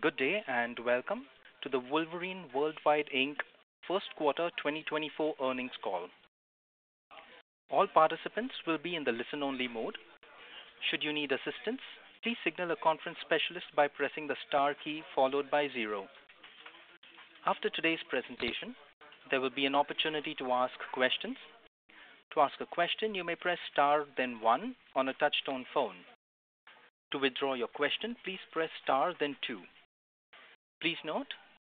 Good day and welcome to the Wolverine World Wide Inc. Q1 2024 earnings call. All participants will be in the listen-only mode. Should you need assistance, please signal a conference specialist by pressing the star key followed by zero. After today's presentation, there will be an opportunity to ask questions. To ask a question, you may press star then one on a touch-tone phone. To withdraw your question, please press star then two. Please note,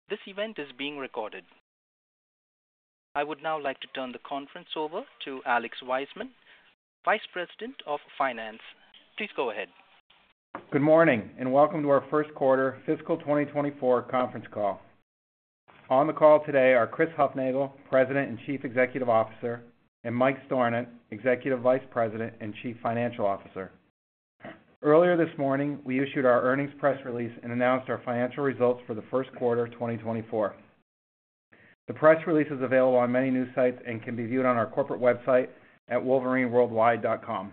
this event is being recorded. I would now like to turn the conference over to Alex Wiseman, Vice President of Finance. Please go ahead. Good morning and welcome to our Q1 fiscal 2024 conference call. On the call today are Chris Hufnagel, President and Chief Executive Officer, and Mike Stornant, Executive Vice President and Chief Financial Officer. Earlier this morning, we issued our earnings press release and announced our financial results for the Q1 2024. The press release is available on many news sites and can be viewed on our corporate website at wolverineworldwide.com.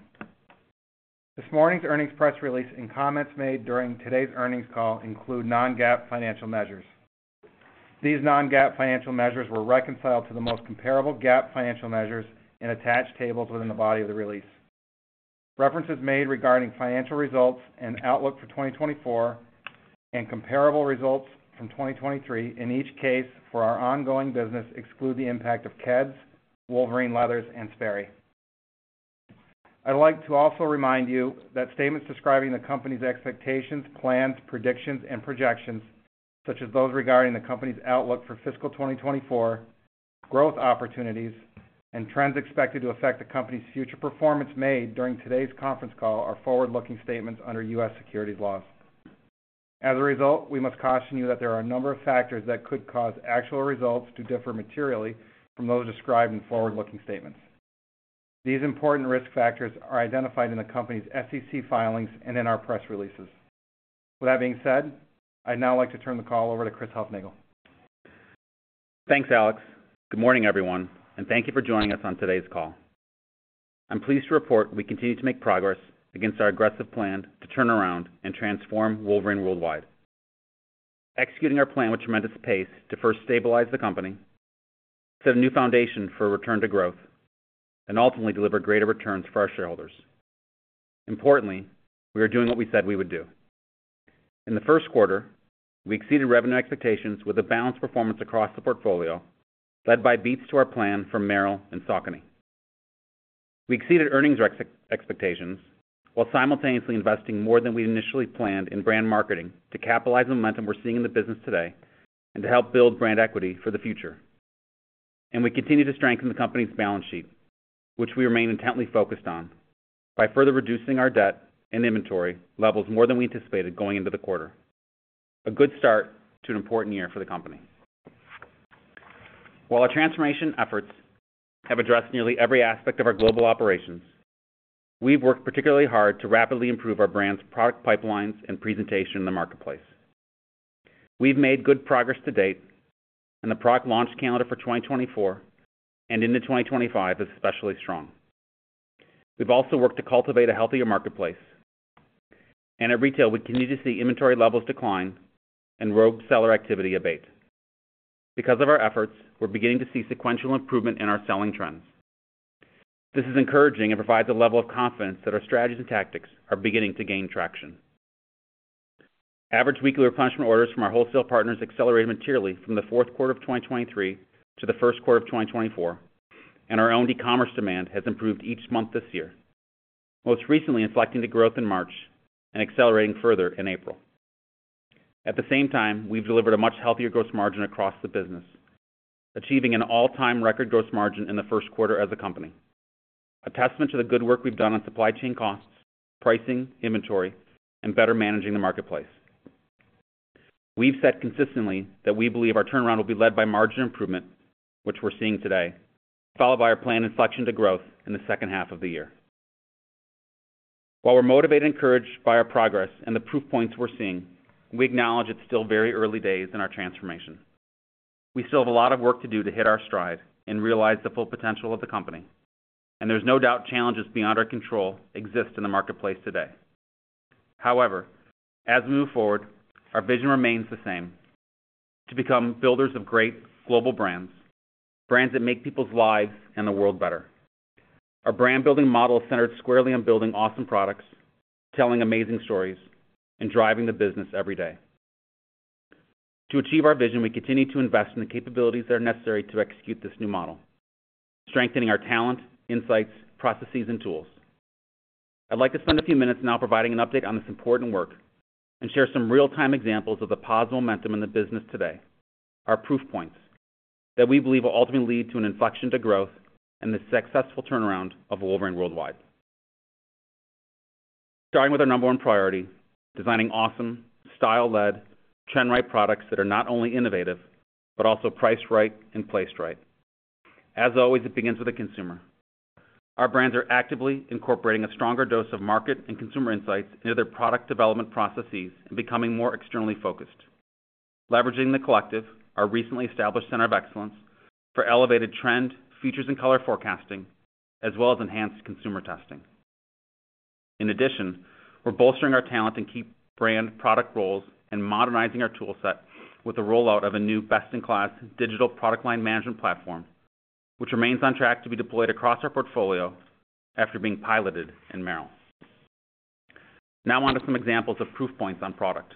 This morning's earnings press release and comments made during today's earnings call include non-GAAP financial measures. These non-GAAP financial measures were reconciled to the most comparable GAAP financial measures in attached tables within the body of the release. References made regarding financial results and outlook for 2024 and comparable results from 2023 in each case for our ongoing business exclude the impact of Keds, Wolverine Leathers, and Sperry. I'd like to also remind you that statements describing the company's expectations, plans, predictions, and projections, such as those regarding the company's outlook for fiscal 2024, growth opportunities, and trends expected to affect the company's future performance made during today's conference call are forward-looking statements under U.S. securities laws. As a result, we must caution you that there are a number of factors that could cause actual results to differ materially from those described in forward-looking statements. These important risk factors are identified in the company's SEC filings and in our press releases. With that being said, I'd now like to turn the call over to Chris Hufnagel. Thanks, Alex. Good morning, everyone, and thank you for joining us on today's call. I'm pleased to report we continue to make progress against our aggressive plan to turn around and transform Wolverine World Wide, executing our plan with tremendous pace to first stabilize the company, set a new foundation for a return to growth, and ultimately deliver greater returns for our shareholders. Importantly, we are doing what we said we would do. In the Q1, we exceeded revenue expectations with a balanced performance across the portfolio, led by beats to our plan from Merrell and Saucony. We exceeded earnings expectations while simultaneously investing more than we initially planned in brand marketing to capitalize the momentum we're seeing in the business today and to help build brand equity for the future. And we continue to strengthen the company's balance sheet, which we remain intently focused on, by further reducing our debt and inventory levels more than we anticipated going into the quarter. A good start to an important year for the company. While our transformation efforts have addressed nearly every aspect of our global operations, we've worked particularly hard to rapidly improve our brand's product pipelines and presentation in the marketplace. We've made good progress to date, and the product launch calendar for 2024 and into 2025 is especially strong. We've also worked to cultivate a healthier marketplace, and at retail we continue to see inventory levels decline and rogue seller activity abate. Because of our efforts, we're beginning to see sequential improvement in our selling trends. This is encouraging and provides a level of confidence that our strategies and tactics are beginning to gain traction. Average weekly replenishment orders from our wholesale partners accelerated materially from the Q4 of 2023 to the Q1 of 2024, and our own e-commerce demand has improved each month this year, most recently inflecting to growth in March and accelerating further in April. At the same time, we've delivered a much healthier gross margin across the business, achieving an all-time record gross margin in the Q1 as a company, a testament to the good work we've done on supply chain costs, pricing, inventory, and better managing the marketplace. We've said consistently that we believe our turnaround will be led by margin improvement, which we're seeing today, followed by our planned inflection to growth in the H2 of the year. While we're motivated and encouraged by our progress and the proof points we're seeing, we acknowledge it's still very early days in our transformation. We still have a lot of work to do to hit our stride and realize the full potential of the company, and there's no doubt challenges beyond our control exist in the marketplace today. However, as we move forward, our vision remains the same: to become builders of great, global brands, brands that make people's lives and the world better. Our brand-building model is centered squarely on building awesome products, telling amazing stories, and driving the business every day. To achieve our vision, we continue to invest in the capabilities that are necessary to execute this new model, strengthening our talent, insights, processes, and tools. I'd like to spend a few minutes now providing an update on this important work and share some real-time examples of the positive momentum in the business today, our proof points, that we believe will ultimately lead to an inflection to growth and the successful turnaround of Wolverine World Wide. Starting with our number one priority, designing awesome, style-led, trend-right products that are not only innovative but also priced right and placed right. As always, it begins with the consumer. Our brands are actively incorporating a stronger dose of market and consumer insights into their product development processes and becoming more externally focused, leveraging the collective, our recently established center of excellence, for elevated trend, features, and color forecasting, as well as enhanced consumer testing. In addition, we're bolstering our talent and key brand product roles and modernizing our toolset with the rollout of a new best-in-class digital product line management platform, which remains on track to be deployed across our portfolio after being piloted in Merrell. Now on to some examples of proof points on product.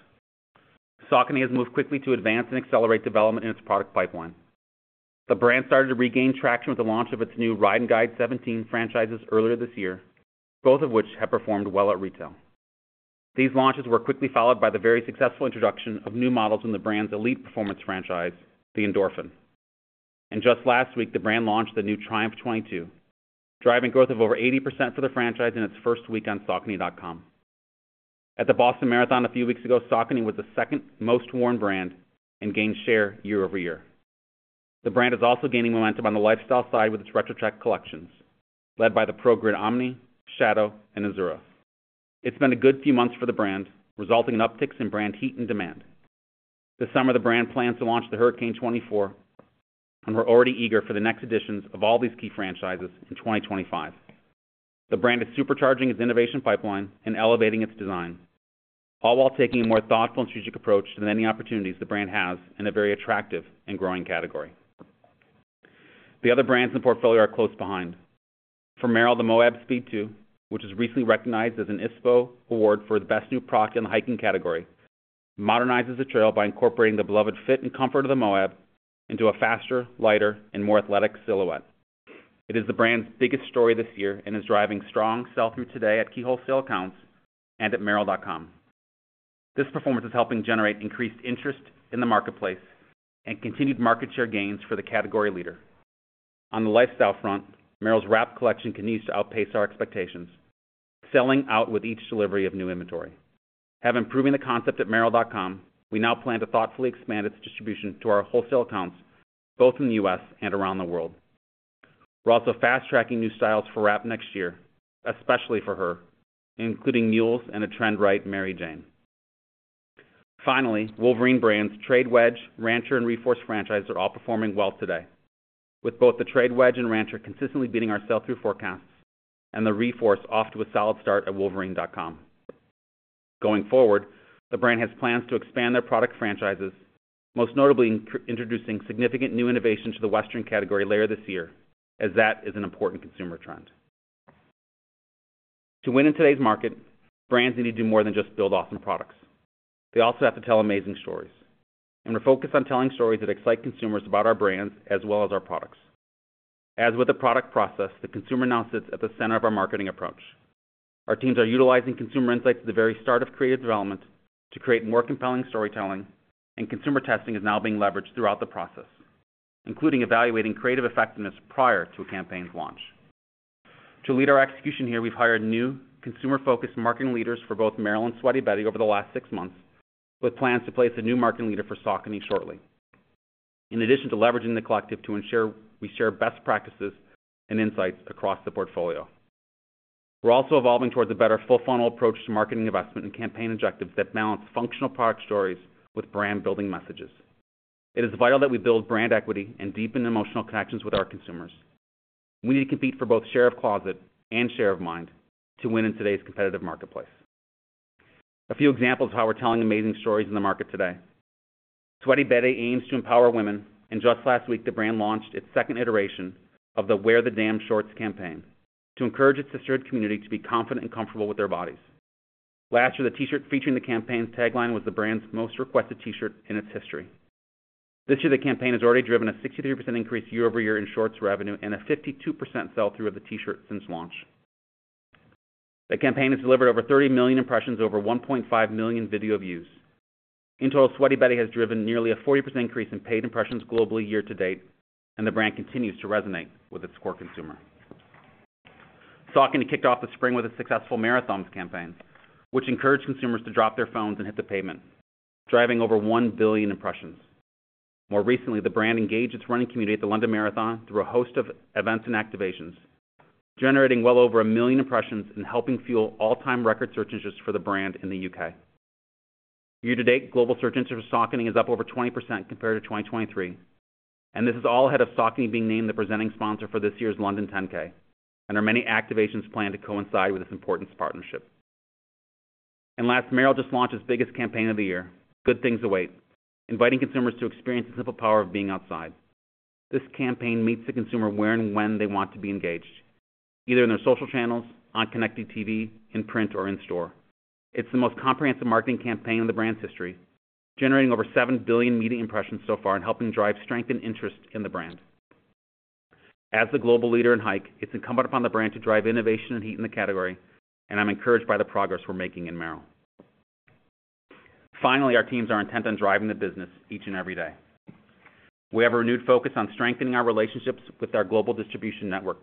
Saucony has moved quickly to advance and accelerate development in its product pipeline. The brand started to regain traction with the launch of its new Ride and Guide 17 franchises earlier this year, both of which have performed well at retail. These launches were quickly followed by the very successful introduction of new models in the brand's elite performance franchise, the Endorphin. Just last week, the brand launched the new Triumph 22, driving growth of over 80% for the franchise in its first week on Saucony.com. At the Boston Marathon a few weeks ago, Saucony was the second-most worn brand and gained share year-over-year. The brand is also gaining momentum on the lifestyle side with its Retro Tech collections, led by the ProGrid Omni, Shadow, and Azura. It's been a good few months for the brand, resulting in upticks in brand heat and demand. This summer, the brand plans to launch the Hurricane 24, and we're already eager for the next editions of all these key franchises in 2025. The brand is supercharging its innovation pipeline and elevating its design, all while taking a more thoughtful and strategic approach to any opportunities the brand has in a very attractive and growing category. The other brands in the portfolio are close behind. For Merrell, the Moab Speed 2, which was recently recognized as an ISPO Award for the best new product in the hiking category, modernizes the trail by incorporating the beloved fit and comfort of the Moab into a faster, lighter, and more athletic silhouette. It is the brand's biggest story this year and is driving strong sell-through today at key wholesale accounts and at Merrell.com. This performance is helping generate increased interest in the marketplace and continued market share gains for the category leader. On the lifestyle front, Merrell's Wrapt collection continues to outpace our expectations, selling out with each delivery of new inventory. Having proven the concept at Merrell.com, we now plan to thoughtfully expand its distribution to our wholesale accounts, both in the U.S. and around the world. We're also fast-tracking new styles for Wrapt next year, especially for her, including mules and a trend-right Mary Jane. Finally, Wolverine brands, Trade Wedge, Rancher, and Reforce franchises are all performing well today, with both the Trade Wedge and Rancher consistently beating our sell-through forecasts and the Reforce off to a solid start at Wolverine.com. Going forward, the brand has plans to expand their product franchises, most notably introducing significant new innovation to the Western category later this year, as that is an important consumer trend. To win in today's market, brands need to do more than just build awesome products. They also have to tell amazing stories. We're focused on telling stories that excite consumers about our brands as well as our products. As with the product process, the consumer now sits at the center of our marketing approach. Our teams are utilizing consumer insights at the very start of creative development to create more compelling storytelling, and consumer testing is now being leveraged throughout the process, including evaluating creative effectiveness prior to a campaign's launch. To lead our execution here, we've hired new, consumer-focused marketing leaders for both Merrell and Sweaty Betty over the last six months, with plans to place a new marketing leader for Saucony shortly, in addition to leveraging the collective to ensure we share best practices and insights across the portfolio. We're also evolving towards a better full-funnel approach to marketing investment and campaign objectives that balance functional product stories with brand-building messages. It is vital that we build brand equity and deepen emotional connections with our consumers. We need to compete for both share of closet and share of mind to win in today's competitive marketplace. A few examples of how we're telling amazing stories in the market today: Sweaty Betty aims to empower women, and just last week the brand launched its second iteration of the Wear the Damn Shorts campaign to encourage its sisterhood community to be confident and comfortable with their bodies. Last year, the T-shirt featuring the campaign's tagline was the brand's most requested T-shirt in its history. This year, the campaign has already driven a 63% increase year-over-year in shorts revenue and a 52% sell-through of the T-shirt since launch. The campaign has delivered over 30 million impressions over 1.5 million video views. In total, Sweaty Betty has driven nearly a 40% increase in paid impressions globally year to date, and the brand continues to resonate with its core consumer. Saucony kicked off the spring with a successful Marathons campaign, which encouraged consumers to drop their phones and hit the pavement, driving over 1 billion impressions. More recently, the brand engaged its running community at the London Marathon through a host of events and activations, generating well over 1 million impressions and helping fuel all-time record search interest for the brand in the U.K. Year to date, global search interest for Saucony is up over 20% compared to 2023, and this is all ahead of Saucony being named the presenting sponsor for this year's London 10K, and there are many activations planned to coincide with this important partnership. Last, Merrell just launched its biggest campaign of the year, Good Things Await, inviting consumers to experience the simple power of being outside. This campaign meets the consumer where and when they want to be engaged, either in their social channels, on connected TV, in print, or in-store. It's the most comprehensive marketing campaign in the brand's history, generating over 7 billion media impressions so far and helping drive strength and interest in the brand. As the global leader in hiking, it's incumbent upon the brand to drive innovation and heat in the category, and I'm encouraged by the progress we're making in Merrell. Finally, our teams are intent on driving the business each and every day. We have a renewed focus on strengthening our relationships with our global distribution network,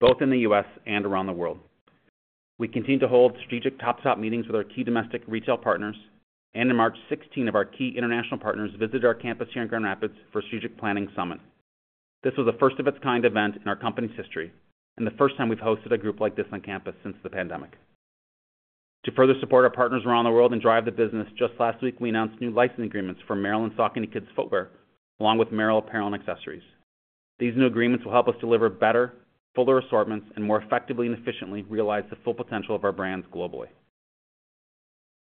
both in the U.S. and around the world. We continue to hold strategic top-to-top meetings with our key domestic retail partners, and in March 16, our key international partners visited our campus here in Grand Rapids for a Strategic Planning Summit. This was a first-of-its-kind event in our company's history and the first time we've hosted a group like this on campus since the pandemic. To further support our partners around the world and drive the business, just last week we announced new license agreements for Merrell and Saucony Kids footwear, along with Merrell apparel and accessories. These new agreements will help us deliver better, fuller assortments, and more effectively and efficiently realize the full potential of our brands globally.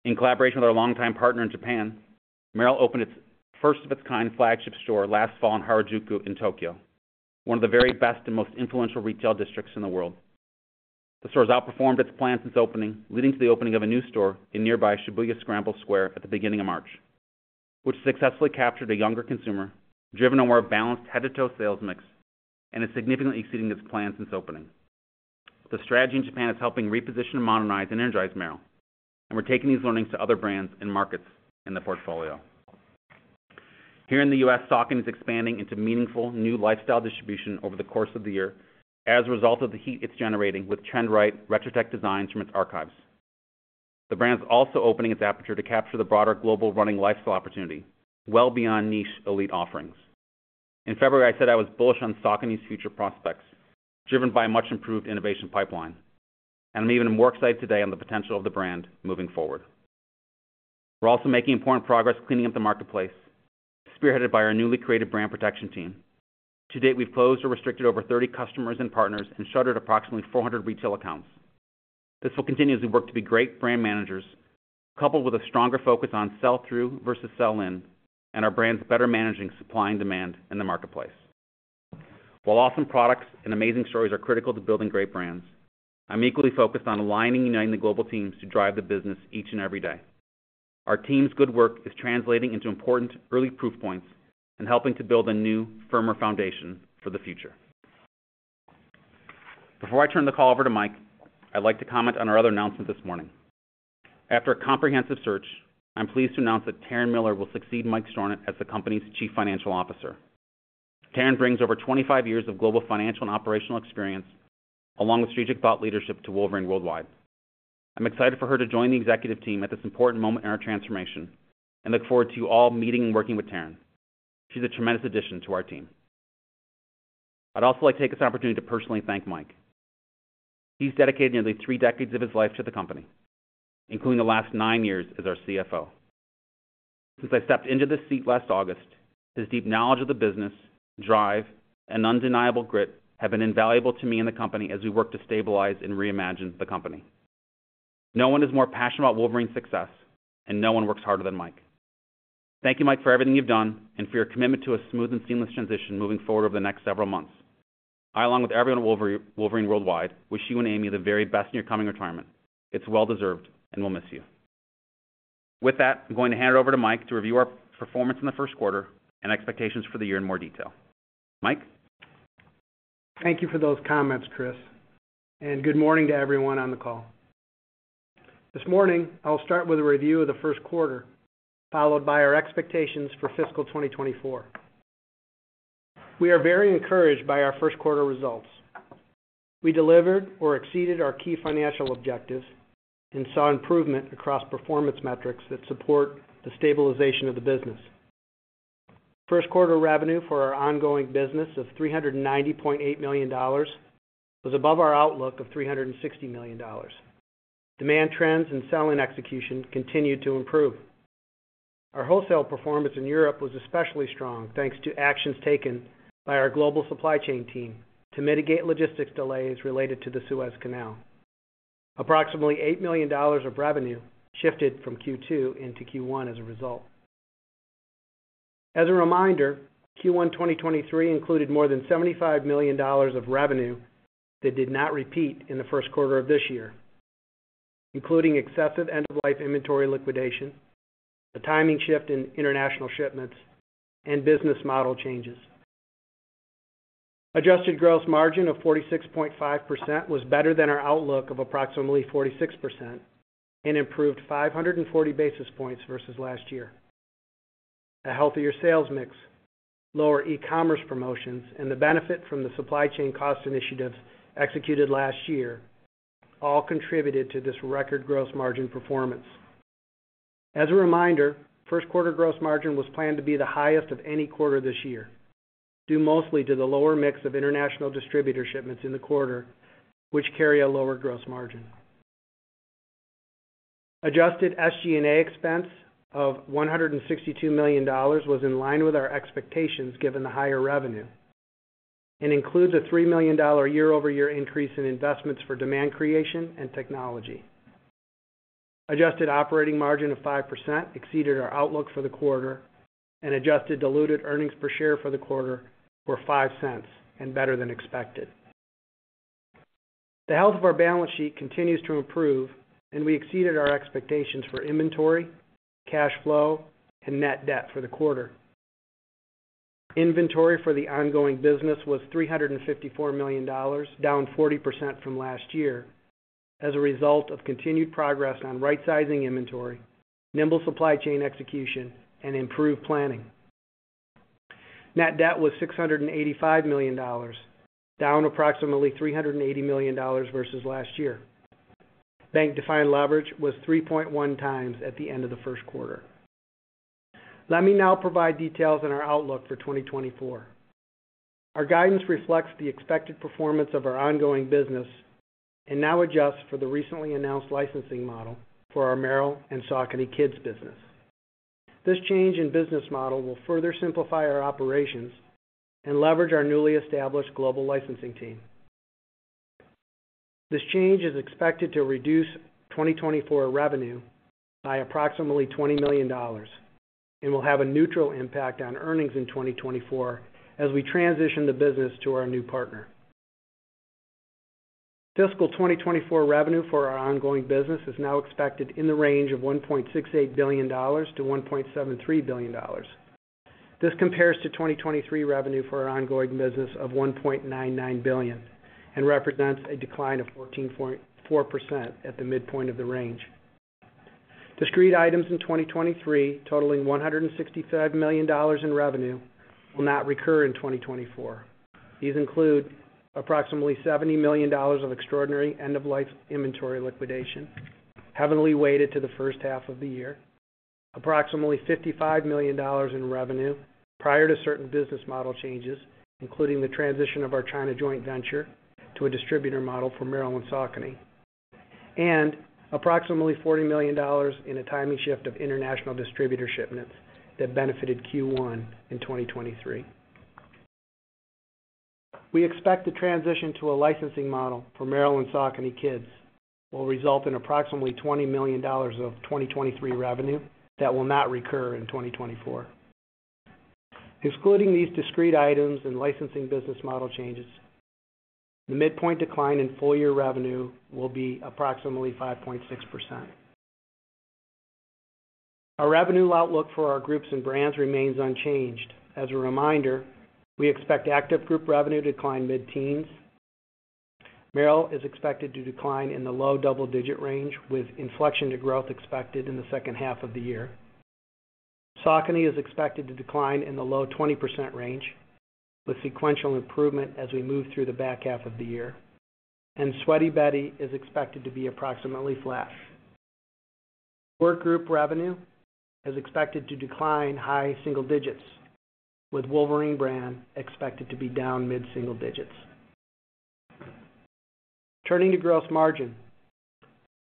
In collaboration with our longtime partner in Japan, Merrell opened its first-of-its-kind flagship store last fall in Harajuku, in Tokyo, one of the very best and most influential retail districts in the world. The store has outperformed its plans since opening, leading to the opening of a new store in nearby Shibuya Scramble Square at the beginning of March, which successfully captured a younger consumer, driven on more of a balanced head-to-toe sales mix, and is significantly exceeding its plans since opening. The strategy in Japan is helping reposition and modernize and energize Merrell, and we're taking these learnings to other brands and markets in the portfolio. Here in the U.S., Saucony is expanding into meaningful new lifestyle distribution over the course of the year as a result of the heat it's generating with trend-right Retro Tech designs from its archives. The brand is also opening its aperture to capture the broader global running lifestyle opportunity, well beyond niche elite offerings. In February, I said I was bullish on Saucony's future prospects, driven by a much-improved innovation pipeline, and I'm even more excited today on the potential of the brand moving forward. We're also making important progress cleaning up the marketplace, spearheaded by our newly created brand protection team. To date, we've closed or restricted over 30 customers and partners and shuttered approximately 400 retail accounts. This will continue as we work to be great brand managers, coupled with a stronger focus on sell-through versus sell-in, and our brand's better managing supply and demand in the marketplace. While awesome products and amazing stories are critical to building great brands, I'm equally focused on aligning and uniting the global teams to drive the business each and every day. Our team's good work is translating into important early proof points and helping to build a new, firmer foundation for the future. Before I turn the call over to Mike, I'd like to comment on our other announcement this morning. After a comprehensive search, I'm pleased to announce that Taryn Miller will succeed Mike Stornant as the company's Chief Financial Officer. Taryn brings over 25 years of global financial and operational experience, along with strategic thought leadership to Wolverine World Wide. I'm excited for her to join the executive team at this important moment in our transformation and look forward to you all meeting and working with Taryn. She's a tremendous addition to our team. I'd also like to take this opportunity to personally thank Mike. He's dedicated nearly three decades of his life to the company, including the last nine years as our CFO. Since I stepped into this seat last August, his deep knowledge of the business, drive, and undeniable grit have been invaluable to me and the company as we work to stabilize and reimagine the company. No one is more passionate about Wolverine's success, and no one works harder than Mike. Thank you, Mike, for everything you've done and for your commitment to a smooth and seamless transition moving forward over the next several months. I, along with everyone at Wolverine World Wide, wish you and Amy the very best in your coming retirement. It's well-deserved, and we'll miss you. With that, I'm going to hand it over to Mike to review our performance in the Q1 and expectations for the year in more detail. Mike? Thank you for those comments, Chris. Good morning to everyone on the call. This morning, I'll start with a review of the Q1, followed by our expectations for fiscal 2024. We are very encouraged by our Q1 results. We delivered or exceeded our key financial objectives and saw improvement across performance metrics that support the stabilization of the business. Q1 revenue for our ongoing business of $390.8 million was above our outlook of $360 million. Demand trends and sell-in execution continued to improve. Our wholesale performance in Europe was especially strong thanks to actions taken by our global supply chain team to mitigate logistics delays related to the Suez Canal. Approximately $8 million of revenue shifted from Q2 into Q1 as a result. As a reminder, Q1 2023 included more than $75 million of revenue that did not repeat in the Q1 of this year, including excessive end-of-life inventory liquidation, a timing shift in international shipments, and business model changes. Adjusted Gross Margin of 46.5% was better than our outlook of approximately 46% and improved 540 basis points versus last year. A healthier sales mix, lower e-commerce promotions, and the benefit from the supply chain cost initiatives executed last year all contributed to this record gross margin performance. As a reminder, Q1 gross margin was planned to be the highest of any quarter this year, due mostly to the lower mix of international distributor shipments in the quarter, which carry a lower gross margin. Adjusted SG&A expense of $162 million was in line with our expectations given the higher revenue and includes a $3 million year-over-year increase in investments for demand creation and technology. Adjusted Operating Margin of 5% exceeded our outlook for the quarter, and Adjusted Diluted Earnings Per Share for the quarter were $0.05 and better than expected. The health of our balance sheet continues to improve, and we exceeded our expectations for inventory, cash flow, and net debt for the quarter. Inventory for the ongoing business was $354 million, down 40% from last year, as a result of continued progress on right-sizing inventory, nimble supply chain execution, and improved planning. Net debt was $685 million, down approximately $380 million versus last year. Bank-defined leverage was 3.1x at the end of the Q1. Let me now provide details on our outlook for 2024. Our guidance reflects the expected performance of our ongoing business and now adjusts for the recently announced licensing model for our Merrell and Saucony Kids business. This change in business model will further simplify our operations and leverage our newly established global licensing team. This change is expected to reduce 2024 revenue by approximately $20 million and will have a neutral impact on earnings in 2024 as we transition the business to our new partner. Fiscal 2024 revenue for our ongoing business is now expected in the range of $1.68 billion-$1.73 billion. This compares to 2023 revenue for our ongoing business of $1.99 billion and represents a decline of 14.4% at the midpoint of the range. Discrete items in 2023, totaling $165 million in revenue, will not recur in 2024. These include approximately $70 million of extraordinary end-of-life inventory liquidation, heavily weighted to the H1 of the year, approximately $55 million in revenue prior to certain business model changes, including the transition of our China joint venture to a distributor model for Merrell and Saucony, and approximately $40 million in a timing shift of international distributor shipments that benefited Q1 in 2023. We expect the transition to a licensing model for Merrell and Saucony Kids will result in approximately $20 million of 2023 revenue that will not recur in 2024. Excluding these discrete items and licensing business model changes, the midpoint decline in full-year revenue will be approximately 5.6%. Our revenue outlook for our groups and brands remains unchanged. As a reminder, we expect active group revenue decline mid-teens. Merrell is expected to decline in the low double-digit range, with inflection to growth expected in the H2 of the year. Saucony is expected to decline in the low 20% range, with sequential improvement as we move through the back half of the year. Sweaty Betty is expected to be approximately flat. Work Group revenue is expected to decline high single digits, with Wolverine brand expected to be down mid-single digits. Turning to gross margin.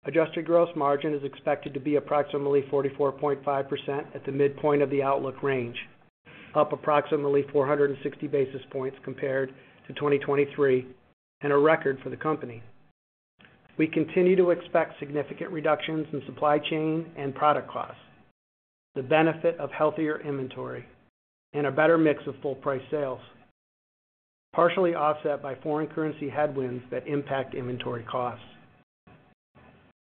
Adjusted gross margin is expected to be approximately 44.5% at the midpoint of the outlook range, up approximately 460 basis points compared to 2023 and a record for the company. We continue to expect significant reductions in supply chain and product costs, the benefit of healthier inventory, and a better mix of full-price sales, partially offset by foreign currency headwinds that impact inventory costs.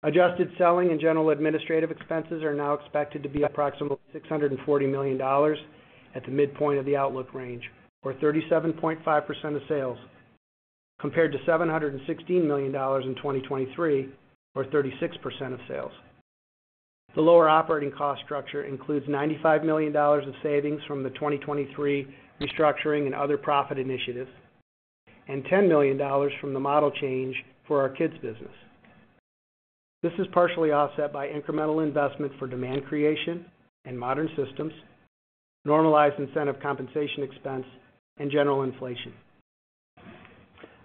Adjusted selling and general administrative expenses are now expected to be approximately $640 million at the midpoint of the outlook range, or 37.5% of sales, compared to $716 million in 2023, or 36% of sales. The lower operating cost structure includes $95 million of savings from the 2023 restructuring and other profit initiatives, and $10 million from the model change for our kids' business. This is partially offset by incremental investment for demand creation and modern systems, normalized incentive compensation expense, and general inflation.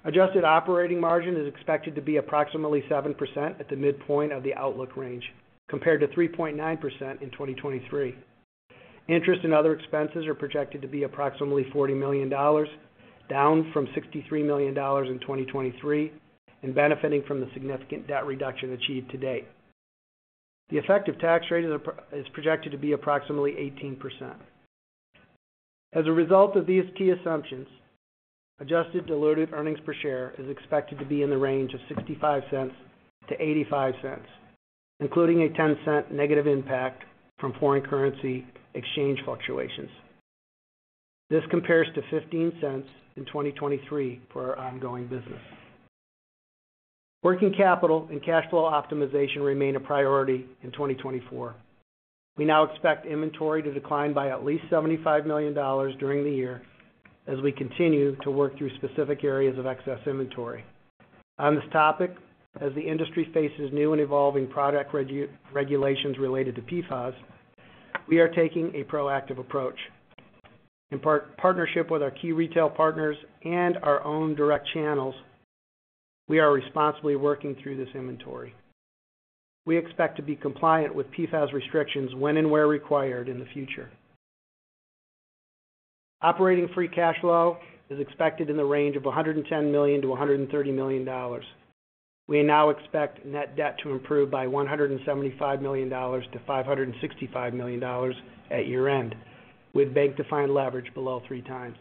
Adjusted operating margin is expected to be approximately 7% at the midpoint of the outlook range, compared to 3.9% in 2023. Interest and other expenses are projected to be approximately $40 million, down from $63 million in 2023 and benefiting from the significant debt reduction achieved to date. The effective tax rate is projected to be approximately 18%. As a result of these key assumptions, adjusted diluted earnings per share is expected to be in the range of $0.65-$0.85, including a $0.10 negative impact from foreign currency exchange fluctuations. This compares to $0.15 in 2023 for our ongoing business. Working capital and cash flow optimization remain a priority in 2024. We now expect inventory to decline by at least $75 million during the year as we continue to work through specific areas of excess inventory. On this topic, as the industry faces new and evolving product regulations related to PFAS, we are taking a proactive approach. In partnership with our key retail partners and our own direct channels, we are responsibly working through this inventory. We expect to be compliant with PFAS restrictions when and where required in the future. Operating free cash flow is expected in the range of $110 million-$130 million. We now expect net debt to improve by $175 million to $565 million at year-end, with bank-defined leverage below three times.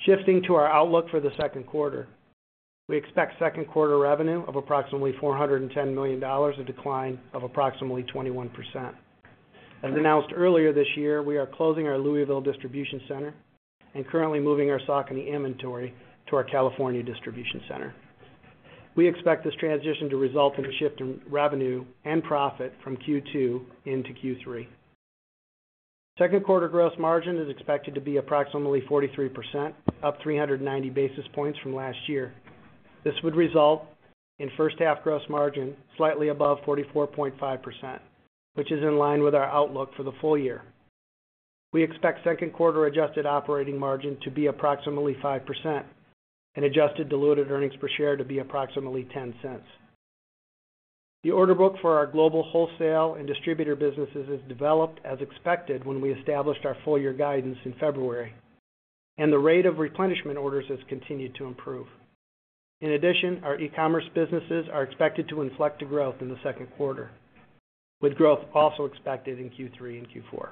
Shifting to our outlook for the Q2, we expectQ2 revenue of approximately $410 million to decline of approximately 21%. As announced earlier this year, we are closing our Louisville distribution center and currently moving our Saucony inventory to our California distribution center. We expect this transition to result in a shift in revenue and profit from Q2 into Q3. Q2 gross margin is expected to be approximately 43%, up 390 basis points from last year. This would result in H2 gross margin slightly above 44.5%, which is in line with our outlook for the full year. We expect Q2 adjusted operating margin to be approximately 5% and adjusted diluted earnings per share to be approximately $0.10. The order book for our global wholesale and distributor businesses is developed as expected when we established our full-year guidance in February, and the rate of replenishment orders has continued to improve. In addition, our e-commerce businesses are expected to inflect to growth in the Q2, with growth also expected in Q3 and Q4.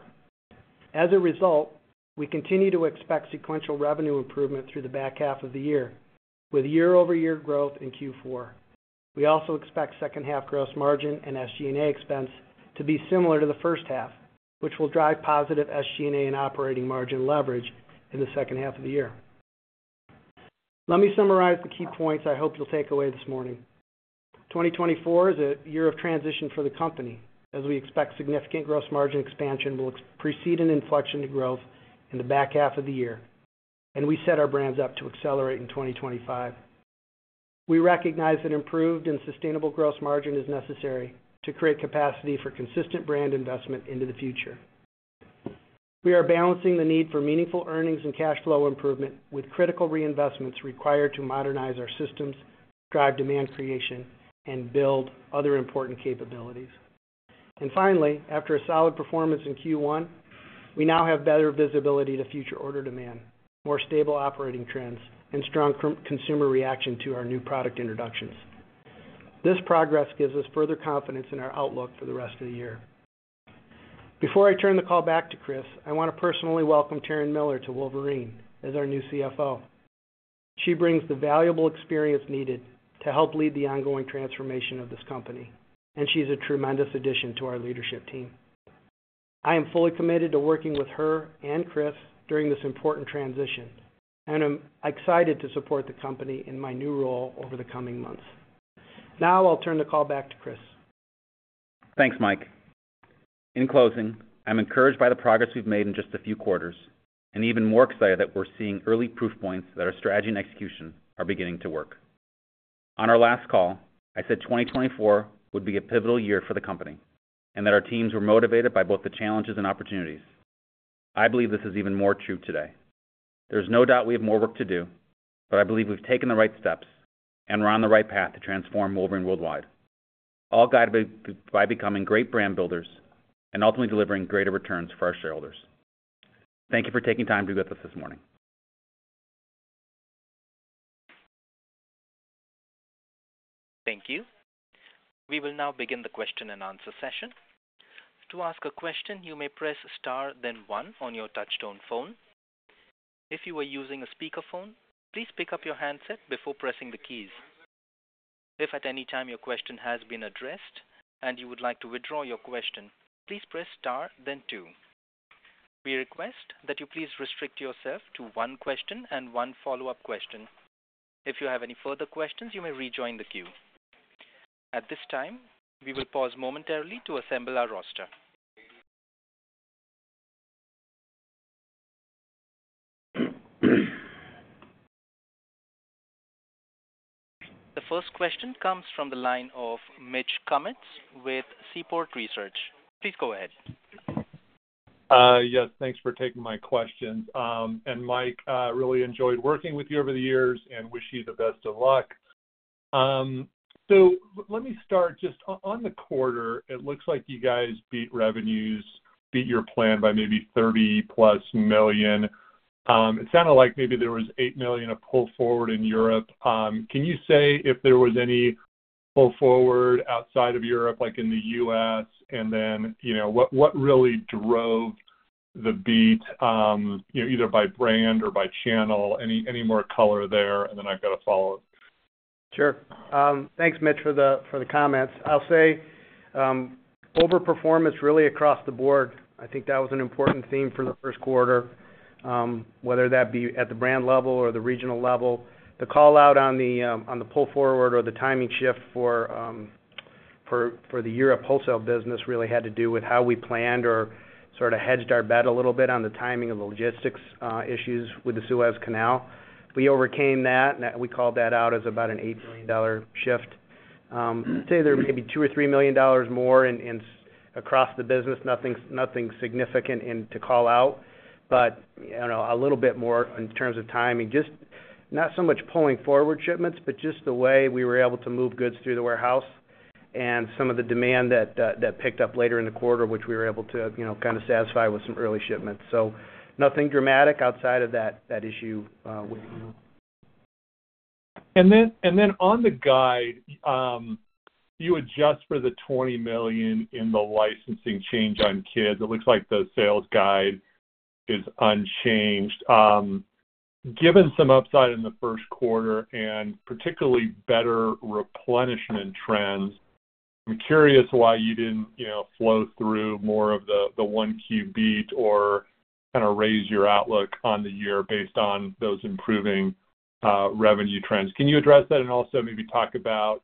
As a result, we continue to expect sequential revenue improvement through the back half of the year, with year-over-year growth in Q4. We also expect H2 gross margin and SG&A expense to be similar to the H1, which will drive positive SG&A and operating margin leverage in the H2 of the year. Let me summarize the key points I hope you'll take away this morning. 2024 is a year of transition for the company, as we expect significant gross margin expansion will precede an inflection to growth in the back half of the year, and we set our brands up to accelerate in 2025. We recognize that improved and sustainable gross margin is necessary to create capacity for consistent brand investment into the future. We are balancing the need for meaningful earnings and cash flow improvement with critical reinvestments required to modernize our systems, drive demand creation, and build other important capabilities. Finally, after a solid performance in Q1, we now have better visibility to future order demand, more stable operating trends, and strong consumer reaction to our new product introductions. This progress gives us further confidence in our outlook for the rest of the year. Before I turn the call back to Chris, I want to personally welcome Taryn Miller to Wolverine as our new CFO. She brings the valuable experience needed to help lead the ongoing transformation of this company, and she's a tremendous addition to our leadership team. I am fully committed to working with her and Chris during this important transition, and I'm excited to support the company in my new role over the coming months. Now I'll turn the call back to Chris. Thanks, Mike. In closing, I'm encouraged by the progress we've made in just a few quarters and even more excited that we're seeing early proof points that our strategy and execution are beginning to work. On our last call, I said 2024 would be a pivotal year for the company and that our teams were motivated by both the challenges and opportunities. I believe this is even more true today. There's no doubt we have more work to do, but I believe we've taken the right steps and we're on the right path to transform Wolverine World Wide, all guided by becoming great brand builders and ultimately delivering greater returns for our shareholders. Thank you for taking time to be with us this morning. Thank you. We will now begin the question and answer session. To ask a question, you may press star then one on your touch-tone phone. If you are using a speakerphone, please pick up your handset before pressing the keys. If at any time your question has been addressed and you would like to withdraw your question, please press star then two. We request that you please restrict yourself to one question and one follow-up question. If you have any further questions, you may rejoin the queue. At this time, we will pause momentarily to assemble our roster. The first question comes from the line of Mitch Kummetz with Seaport Research Partners. Please go ahead. Yes. Thanks for taking my questions. And Mike, really enjoyed working with you over the years and wish you the best of luck. So let me start. Just on the quarter, it looks like you guys beat revenues, beat your plan by maybe $30+ million. It sounded like maybe there was $8 million of pull forward in Europe. Can you say if there was any pull forward outside of Europe, like in the U.S., and then what really drove the beat, either by brand or by channel? Any more color there, and then I've got to follow up. Sure. Thanks, Mitch, for the comments. I'll say overperformance really across the board. I think that was an important theme for the Q1, whether that be at the brand level or the regional level. The callout on the pull forward or the timing shift for the Europe wholesale business really had to do with how we planned or sort of hedged our bet a little bit on the timing of the logistics issues with the Suez Canal. We overcame that, and we called that out as about an $8 million shift. I'd say there may be $2 million or $3 million more across the business, nothing significant to call out, but a little bit more in terms of timing. Just not so much pulling forward shipments, but just the way we were able to move goods through the warehouse and some of the demand that picked up later in the quarter, which we were able to kind of satisfy with some early shipments. So nothing dramatic outside of that issue with. And then on the guide, you adjust for the $20 million in the licensing change on kids. It looks like the sales guide is unchanged. Given some upside in the Q1 and particularly better replenishment trends, I'm curious why you didn't flow through more of the Q1 beat or kind of raise your outlook on the year based on those improving revenue trends. Can you address that and also maybe talk about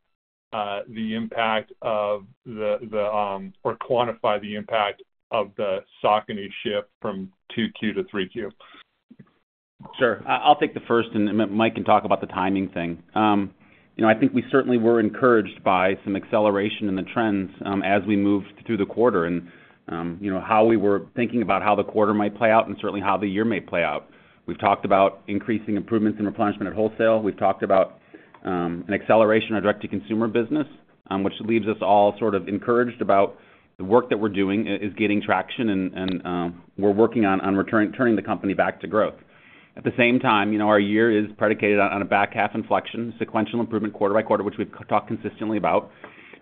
the impact of the or quantify the impact of the Saucony shift from Q2 to Q3? Sure. I'll take the first, and Mike can talk about the timing thing. I think we certainly were encouraged by some acceleration in the trends as we moved through the quarter and how we were thinking about how the quarter might play out and certainly how the year may play out. We've talked about increasing improvements in replenishment at wholesale. We've talked about an acceleration on direct-to-consumer business, which leaves us all sort of encouraged about the work that we're doing is getting traction, and we're working on turning the company back to growth. At the same time, our year is predicated on a back-half inflection, sequential improvement quarter by quarter, which we've talked consistently about.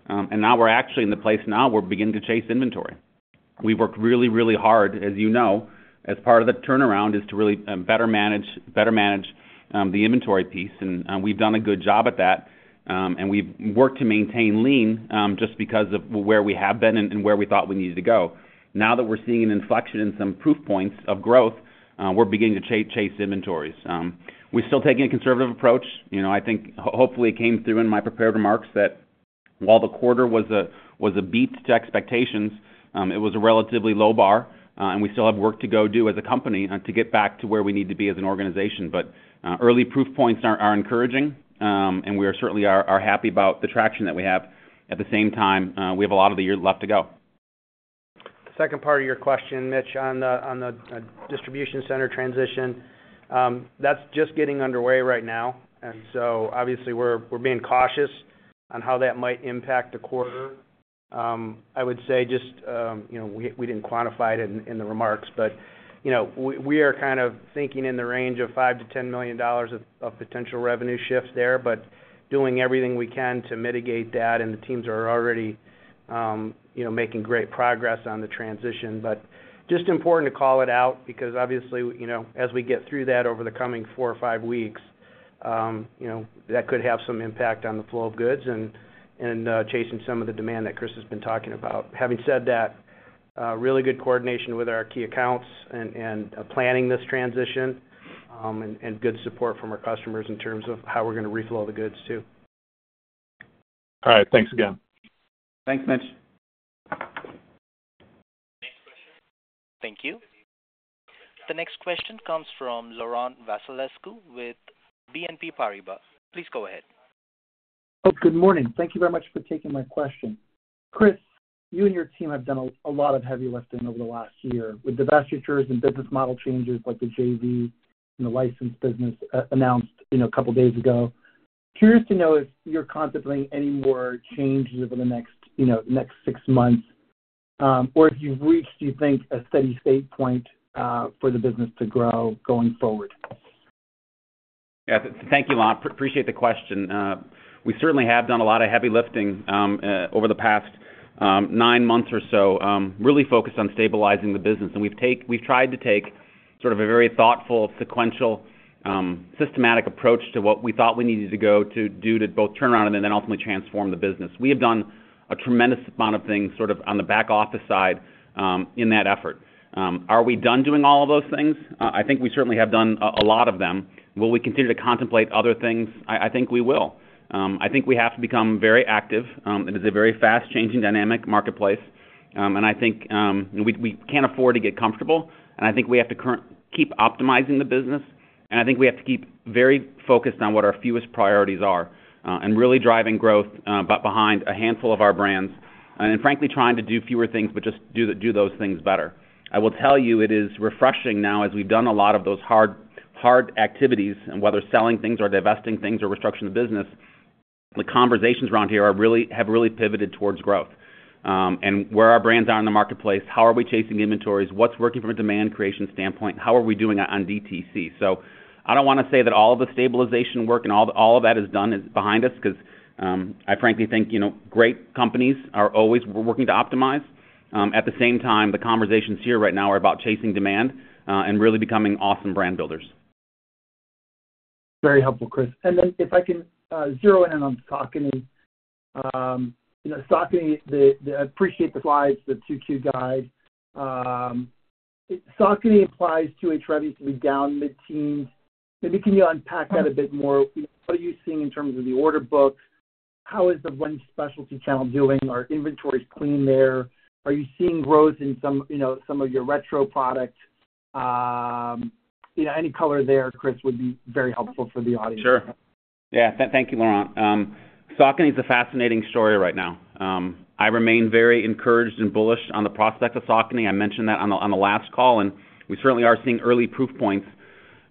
Now we're actually in the place now where we're beginning to chase inventory. We've worked really, really hard, as you know, as part of the turnaround is to really better manage the inventory piece. We've done a good job at that, and we've worked to maintain lean just because of where we have been and where we thought we needed to go. Now that we're seeing an inflection in some proof points of growth, we're beginning to chase inventories. We're still taking a conservative approach. I think hopefully it came through in my prepared remarks that while the quarter was a beat to expectations, it was a relatively low bar, and we still have work to go do as a company to get back to where we need to be as an organization. But early proof points are encouraging, and we certainly are happy about the traction that we have. At the same time, we have a lot of the year left to go. The second part of your question, Mitch, on the distribution center transition, that's just getting underway right now. And so obviously, we're being cautious on how that might impact the quarter. I would say just we didn't quantify it in the remarks, but we are kind of thinking in the range of $5 million-$10 million of potential revenue shifts there, but doing everything we can to mitigate that. The teams are already making great progress on the transition. But just important to call it out because obviously, as we get through that over the coming four or five weeks, that could have some impact on the flow of goods and chasing some of the demand that Chris has been talking about. Having said that, really good coordination with our key accounts and planning this transition and good support from our customers in terms of how we're going to reflow the goods too. All right. Thanks again. Thanks, Mitch. Next question. Thank you. The next question comes from Laurent Vasilescu with BNP Paribas. Please go ahead. Oh, good morning. Thank you very much for taking my question. Chris, you and your team have done a lot of heavy lifting over the last year with the vast futures and business model changes like the JV and the license business announced a couple of days ago. Curious to know if you're contemplating any more changes over the next six months or if you've reached, do you think, a steady state point for the business to grow going forward? Yeah. Thank you, Laurent. Appreciate the question. We certainly have done a lot of heavy lifting over the past nine months or so, really focused on stabilizing the business. We've tried to take sort of a very thoughtful, sequential, systematic approach to what we thought we needed to go to do to both turn around and then ultimately transform the business. We have done a tremendous amount of things sort of on the back office side in that effort. Are we done doing all of those things? I think we certainly have done a lot of them. Will we continue to contemplate other things? I think we will. I think we have to become very active. It is a very fast-changing dynamic marketplace, and I think we can't afford to get comfortable. I think we have to keep optimizing the business, and I think we have to keep very focused on what our fewest priorities are and really driving growth behind a handful of our brands and, frankly, trying to do fewer things but just do those things better. I will tell you, it is refreshing now as we've done a lot of those hard activities, whether selling things or divesting things or restructuring the business, the conversations around here have really pivoted towards growth. Where our brands are in the marketplace, how are we chasing inventories, what's working from a demand creation standpoint, how are we doing on DTC? So I don't want to say that all of the stabilization work and all of that is done behind us because I, frankly, think great companies are always working to optimize. At the same time, the conversations here right now are about chasing demand and really becoming awesome brand builders. Very helpful, Chris. Then if I can zero in on Saucony. I appreciate the slides, the Q2 guide. Saucony implies 2H revenues to be down mid-teens. Maybe can you unpack that a bit more? What are you seeing in terms of the order books? How is the run specialty channel doing? Are inventories clean there? Are you seeing growth in some of your retro products? Any color there, Chris, would be very helpful for the audience. Sure. Yeah. Thank you, Laurent. Saucony is a fascinating story right now. I remain very encouraged and bullish on the prospect of Saucony. I mentioned that on the last call, and we certainly are seeing early proof points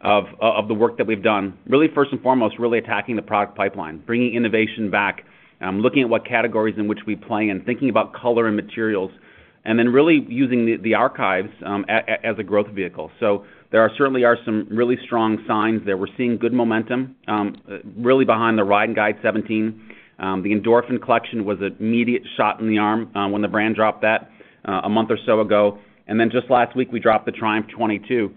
of the work that we've done, really first and foremost, really attacking the product pipeline, bringing innovation back, looking at what categories in which we play and thinking about color and materials, and then really using the archives as a growth vehicle. So there certainly are some really strong signs there. We're seeing good momentum really behind the Ride and Guide 17. The Endorphin collection was an immediate shot in the arm when the brand dropped that a month or so ago. And then just last week, we dropped the Triumph 22,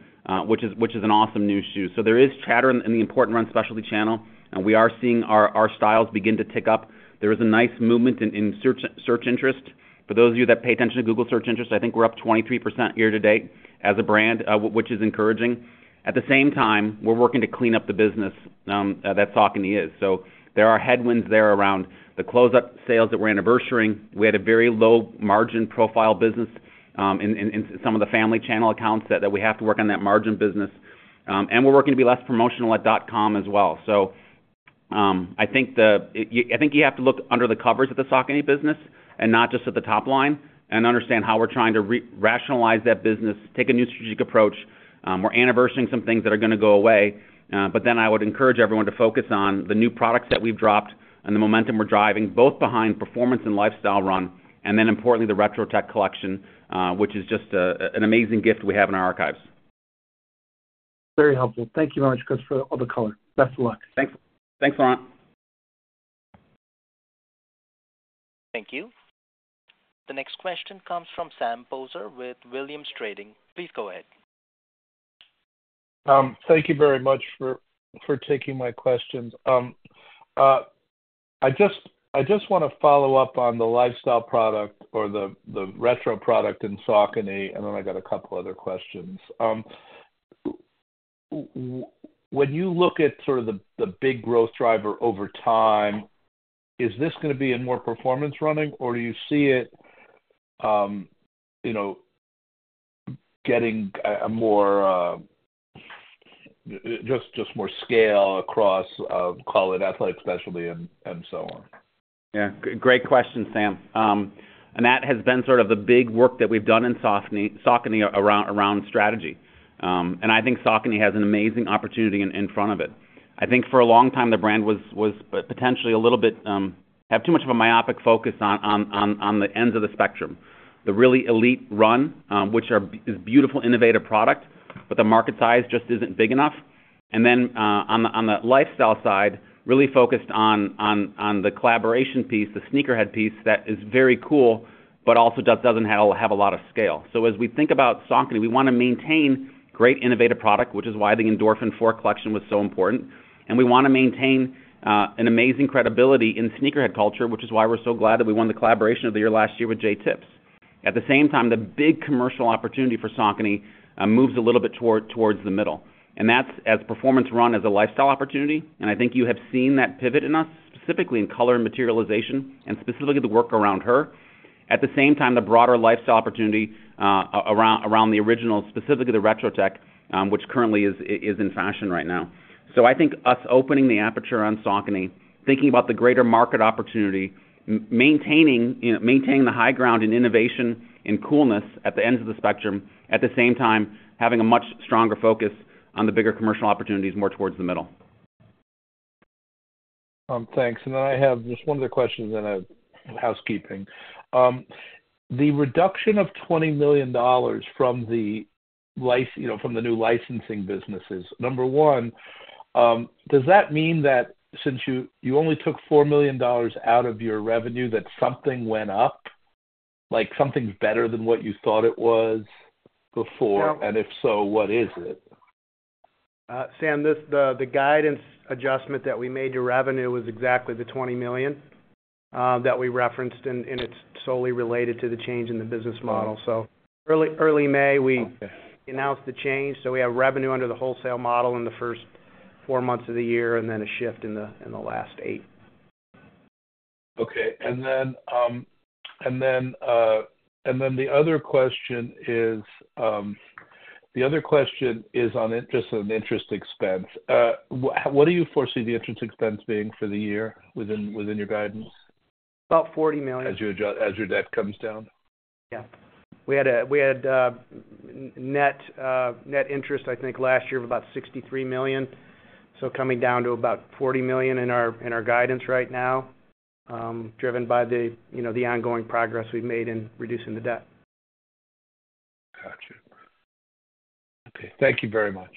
which is an awesome new shoe. So there is chatter in the important run specialty channel, and we are seeing our styles begin to tick up. There is a nice movement in search interest. For those of you that pay attention to Google search interest, I think we're up 23% year to date as a brand, which is encouraging. At the same time, we're working to clean up the business that Saucony is. So there are headwinds there around the closeout sales that we're anniversaring. We had a very low-margin profile business in some of the family channel accounts that we have to work on that margin business. And we're working to be less promotional at dot-com as well. So I think you have to look under the covers at the Saucony business and not just at the top line and understand how we're trying to rationalize that business, take a new strategic approach. We're anniversarying some things that are going to go away. But then I would encourage everyone to focus on the new products that we've dropped and the momentum we're driving, both behind performance and lifestyle run and then, importantly, the Retro Tech collection, which is just an amazing gift we have in our archives. Very helpful. Thank you very much, Chris, for all the color. Best of luck. Thanks, Laurent. Thank you. The next question comes from Sam Poser with Williams Trading. Please go ahead. Thank you very much for taking my questions. I just want to follow up on the lifestyle product or the retro product in Saucony, and then I got a couple of other questions. When you look at sort of the big growth driver over time, is this going to be in more performance running, or do you see it getting just more scale across, call it, athletic specialty and so on? Yeah. Great question, Sam. That has been sort of the big work that we've done in Saucony around strategy. I think Saucony has an amazing opportunity in front of it. I think for a long time, the brand was potentially a little bit have too much of a myopic focus on the ends of the spectrum, the really elite run, which is a beautiful, innovative product, but the market size just isn't big enough. Then on the lifestyle side, really focused on the collaboration piece, the sneakerhead piece that is very cool but also doesn't have a lot of scale. As we think about Saucony, we want to maintain great, innovative product, which is why the Endorphin 4 collection was so important. And we want to maintain an amazing credibility in sneakerhead culture, which is why we're so glad that we won the collaboration of the year last year with Jae Tips. At the same time, the big commercial opportunity for Saucony moves a little bit towards the middle. And that's performance running as a lifestyle opportunity. And I think you have seen that pivot in us, specifically in color and materialization and specifically the work around there. At the same time, the broader lifestyle opportunity around the original, specifically the Retro Tech, which currently is in fashion right now. So I think us opening the aperture on Saucony, thinking about the greater market opportunity, maintaining the high ground in innovation and coolness at the ends of the spectrum, at the same time having a much stronger focus on the bigger commercial opportunities more towards the middle. Thanks. And then I have just one other question then of housekeeping. The reduction of $20 million from the new licensing businesses, number one, does that mean that since you only took $4 million out of your revenue, that something went up? Something's better than what you thought it was before, and if so, what is it? Sam, the guidance adjustment that we made to revenue was exactly the $20 million that we referenced, and it's solely related to the change in the business model. So early May, we announced the change. So we have revenue under the wholesale model in the first four months of the year and then a shift in the last eight. Okay. And then the other question is just an interest expense. What do you foresee the interest expense being for the year within your guidance? About $40 million. As your debt comes down? Yeah. We had net interest, I think, last year of about $63 million. So coming down to about $40 million in our guidance right now, driven by the ongoing progress we've made in reducing the debt. Gotcha. Okay. Thank you very much.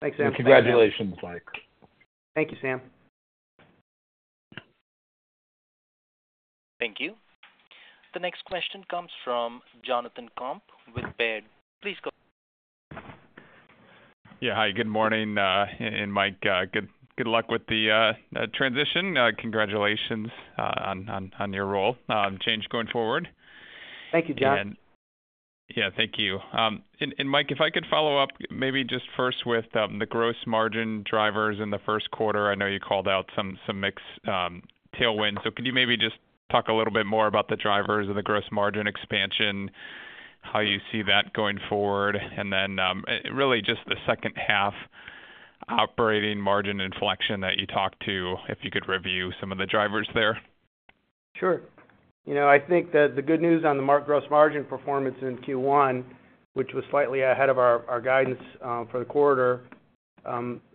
Thanks, Sam. And congratulations, Mike. Thank you, Sam. Thank you. The next question comes from Jonathan Komp with Baird. Please go. Yeah. Hi. Good morning, Mike. Good luck with the transition. Congratulations on your role change going forward. Thank you, Jon. Yeah. Thank you. And Mike, if I could follow up maybe just first with the gross margin drivers in the Q1. I know you called out some mixed tailwinds. So could you maybe just talk a little bit more about the drivers and the gross margin expansion, how you see that going forward, and then really just the H2 operating margin inflection that you talked to if you could review some of the drivers there? Sure. I think that the good news on the gross margin performance in Q1, which was slightly ahead of our guidance for the quarter,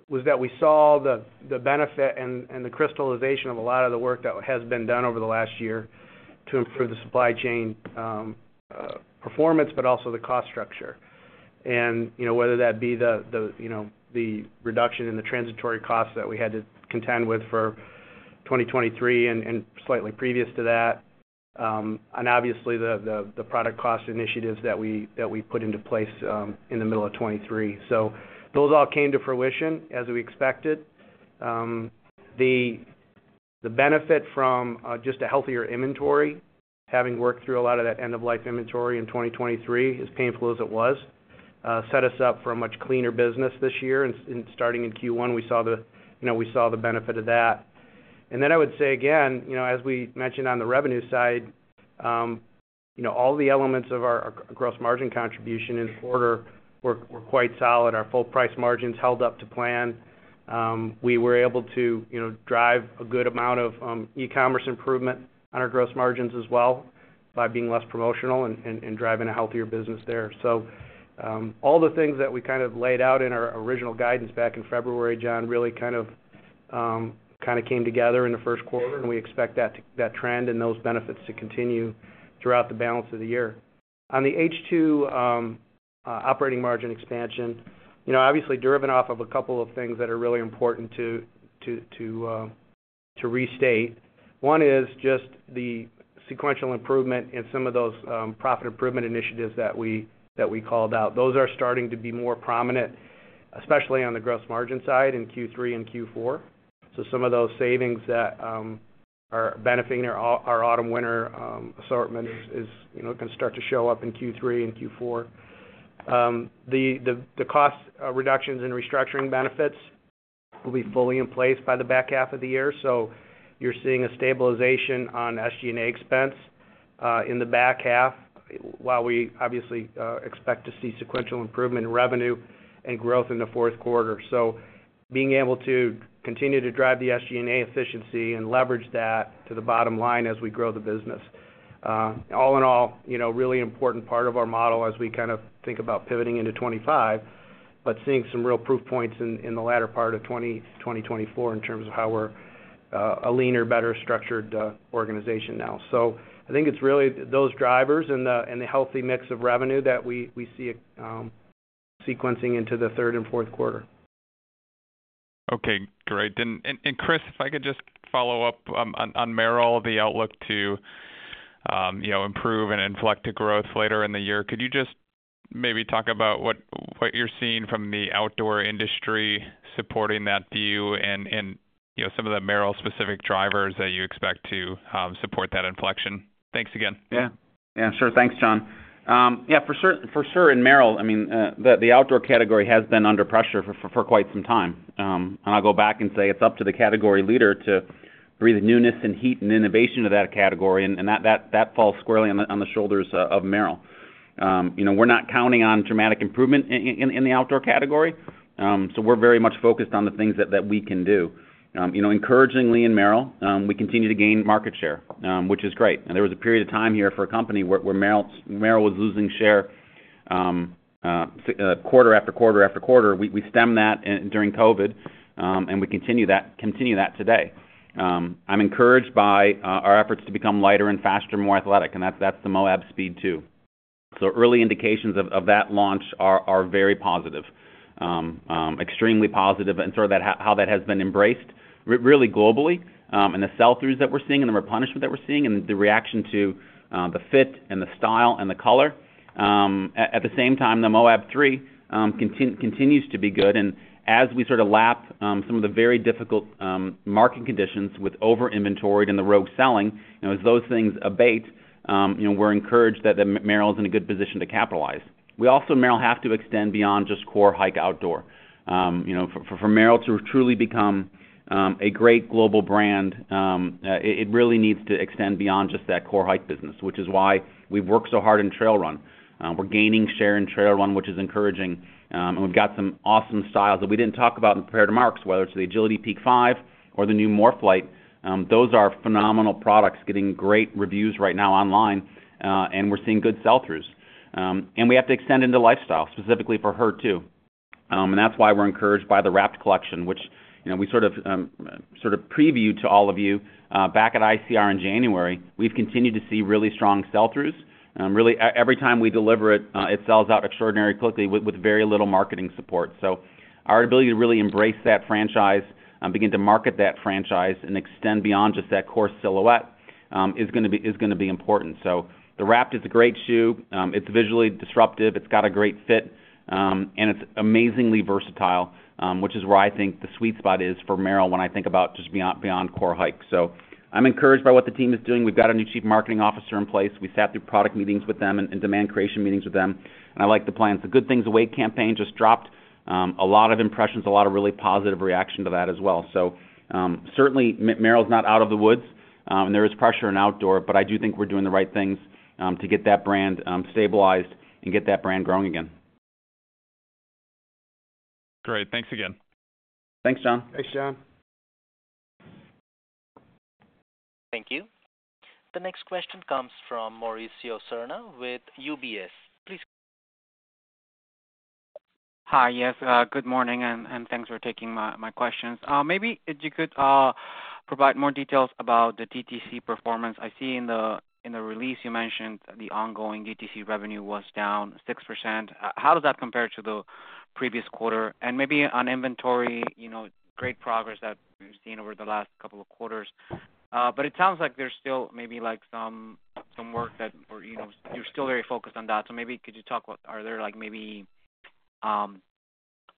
was that we saw the benefit and the crystallization of a lot of the work that has been done over the last year to improve the supply chain performance but also the cost structure. And whether that be the reduction in the transitory costs that we had to contend with for 2023 and slightly previous to that and obviously the product cost initiatives that we put into place in the middle of 2023. So those all came to fruition as we expected. The benefit from just a healthier inventory, having worked through a lot of that end-of-life inventory in 2023 as painful as it was, set us up for a much cleaner business this year. Starting in Q1, we saw the benefit of that. Then I would say, again, as we mentioned on the revenue side, all the elements of our gross margin contribution in the quarter were quite solid. Our full-price margins held up to plan. We were able to drive a good amount of e-commerce improvement on our gross margins as well by being less promotional and driving a healthier business there. So all the things that we kind of laid out in our original guidance back in February, Jon, really kind of came together in the Q1, and we expect that trend and those benefits to continue throughout the balance of the year. On the H2 operating margin expansion, obviously driven off of a couple of things that are really important to restate, one is just the sequential improvement and some of those profit improvement initiatives that we called out. Those are starting to be more prominent, especially on the gross margin side in Q3 and Q4. So some of those savings that are benefiting our autumn-winter assortment can start to show up in Q3 and Q4. The cost reductions and restructuring benefits will be fully in place by the back half of the year. So you're seeing a stabilization on SG&A expense in the back half while we obviously expect to see sequential improvement in revenue and growth in the Q4. So being able to continue to drive the SG&A efficiency and leverage that to the bottom line as we grow the business. All in all, really important part of our model as we kind of think about pivoting into 2025 but seeing some real proof points in the latter part of 2024 in terms of how we're a leaner, better-structured organization now. So I think it's really those drivers and the healthy mix of revenue that we see sequencing into the third and Q4. Okay. Great. And Chris, if I could just follow up on Merrell, the outlook to improve and inflect to growth later in the year, could you just maybe talk about what you're seeing from the outdoor industry supporting that view and some of the Merrell-specific drivers that you expect to support that inflection? Thanks again. Yeah. Yeah. Sure. Thanks, Jon. Yeah. For sure. And Merrell, I mean, the outdoor category has been under pressure for quite some time. And I'll go back and say it's up to the category leader to breathe newness and heat and innovation to that category, and that falls squarely on the shoulders of Merrell. We're not counting on dramatic improvement in the outdoor category. So we're very much focused on the things that we can do. Encouragingly in Merrell, we continue to gain market share, which is great. There was a period of time here for a company where Merrell was losing share quarter after quarter after quarter. We stemmed that during COVID, and we continue that today. I'm encouraged by our efforts to become lighter and faster, more athletic, and that's the Moab Speed 2. So early indications of that launch are very positive, extremely positive, and sort of how that has been embraced really globally and the sell-throughs that we're seeing and the replenishment that we're seeing and the reaction to the fit and the style and the color. At the same time, the Moab 3 continues to be good. And as we sort of lap some of the very difficult market conditions with over-inventoried and the rogue selling, as those things abate, we're encouraged that Merrell is in a good position to capitalize. We also in Merrell have to extend beyond just core hike outdoor. For Merrell to truly become a great global brand, it really needs to extend beyond just that core hike business, which is why we've worked so hard in trail run. We're gaining share in trail run, which is encouraging. And we've got some awesome styles that we didn't talk about in the prepared remarks, whether it's the Agility Peak 5 or the new Morphlite. Those are phenomenal products getting great reviews right now online, and we're seeing good sell-throughs. And we have to extend into lifestyle, specifically for her too. And that's why we're encouraged by the Wrapt Collection, which we sort of previewed to all of you back at ICR in January. We've continued to see really strong sell-throughs. Really, every time we deliver it, it sells out extraordinarily quickly with very little marketing support. So our ability to really embrace that franchise, begin to market that franchise, and extend beyond just that core silhouette is going to be important. So the Wrapt is a great shoe. It's visually disruptive. It's got a great fit. And it's amazingly versatile, which is where I think the sweet spot is for Merrell when I think about just beyond core hike. So I'm encouraged by what the team is doing. We've got a new Chief Marketing Officer in place. We sat through product meetings with them and demand creation meetings with them. And I like the plan. It's a Good Things Await campaign just dropped. A lot of impressions, a lot of really positive reaction to that as well. So certainly, Merrell's not out of the woods, and there is pressure in outdoor, but I do think we're doing the right things to get that brand stabilized and get that brand growing again. Great. Thanks again. Thanks, Jon. Thanks, Jon. Thank you. The next question comes from Mauricio Serna with UBS. Please. Hi. Yes. Good morning. And thanks for taking my questions. Maybe if you could provide more details about the DTC performance. I see in the release, you mentioned the ongoing DTC revenue was down 6%. How does that compare to the previous quarter? And maybe on inventory, great progress that we've seen over the last couple of quarters. But it sounds like there's still maybe some work that or you're still very focused on that. So, maybe could you talk about, are there maybe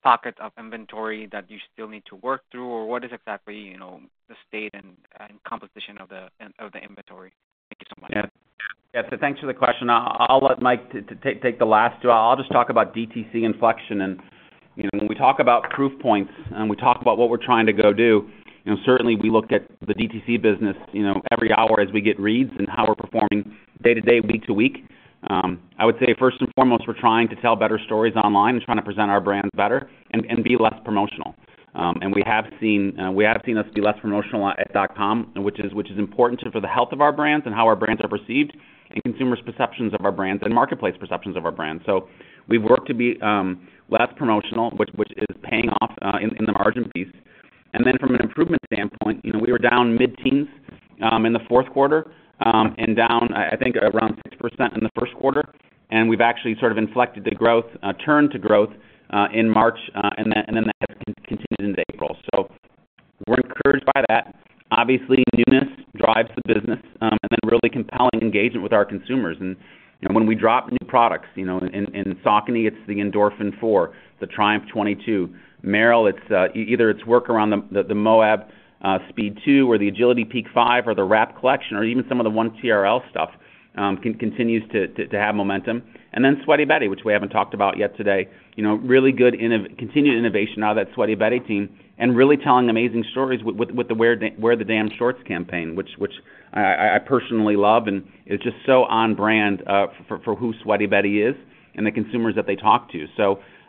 pockets of inventory that you still need to work through, or what is exactly the state and composition of the inventory? Thank you so much. Yeah. Thanks for the question. I'll let Mike take the last two. I'll just talk about DTC inflection. When we talk about proof points and we talk about what we're trying to go do, certainly, we look at the DTC business every hour as we get reads and how we're performing day to day, week to week. I would say first and foremost, we're trying to tell better stories online and trying to present our brands better and be less promotional. We have seen us be less promotional at dot-com, which is important for the health of our brands and how our brands are perceived and consumers' perceptions of our brands and marketplace perceptions of our brands. We've worked to be less promotional, which is paying off in the margin piece. From an improvement standpoint, we were down mid-teens in the Q4 and down, I think, around 6% in the Q1. We've actually sort of inflected the growth, turned to growth in March, and then that has continued into April. We're encouraged by that. Obviously, newness drives the business and then really compelling engagement with our consumers. When we drop new products in Saucony, it's the Endorphin 4, the Triumph 22. Merrell, either it's work around the Moab Speed 2 or the Agility Peak 5 or the Wrapt Collection or even some of the 1TRL stuff continues to have momentum. Then Sweaty Betty, which we haven't talked about yet today, really good continued innovation out of that Sweaty Betty team and really telling amazing stories with the Wear the Damn Shorts campaign, which I personally love. It's just so on-brand for who Sweaty Betty is and the consumers that they talk to.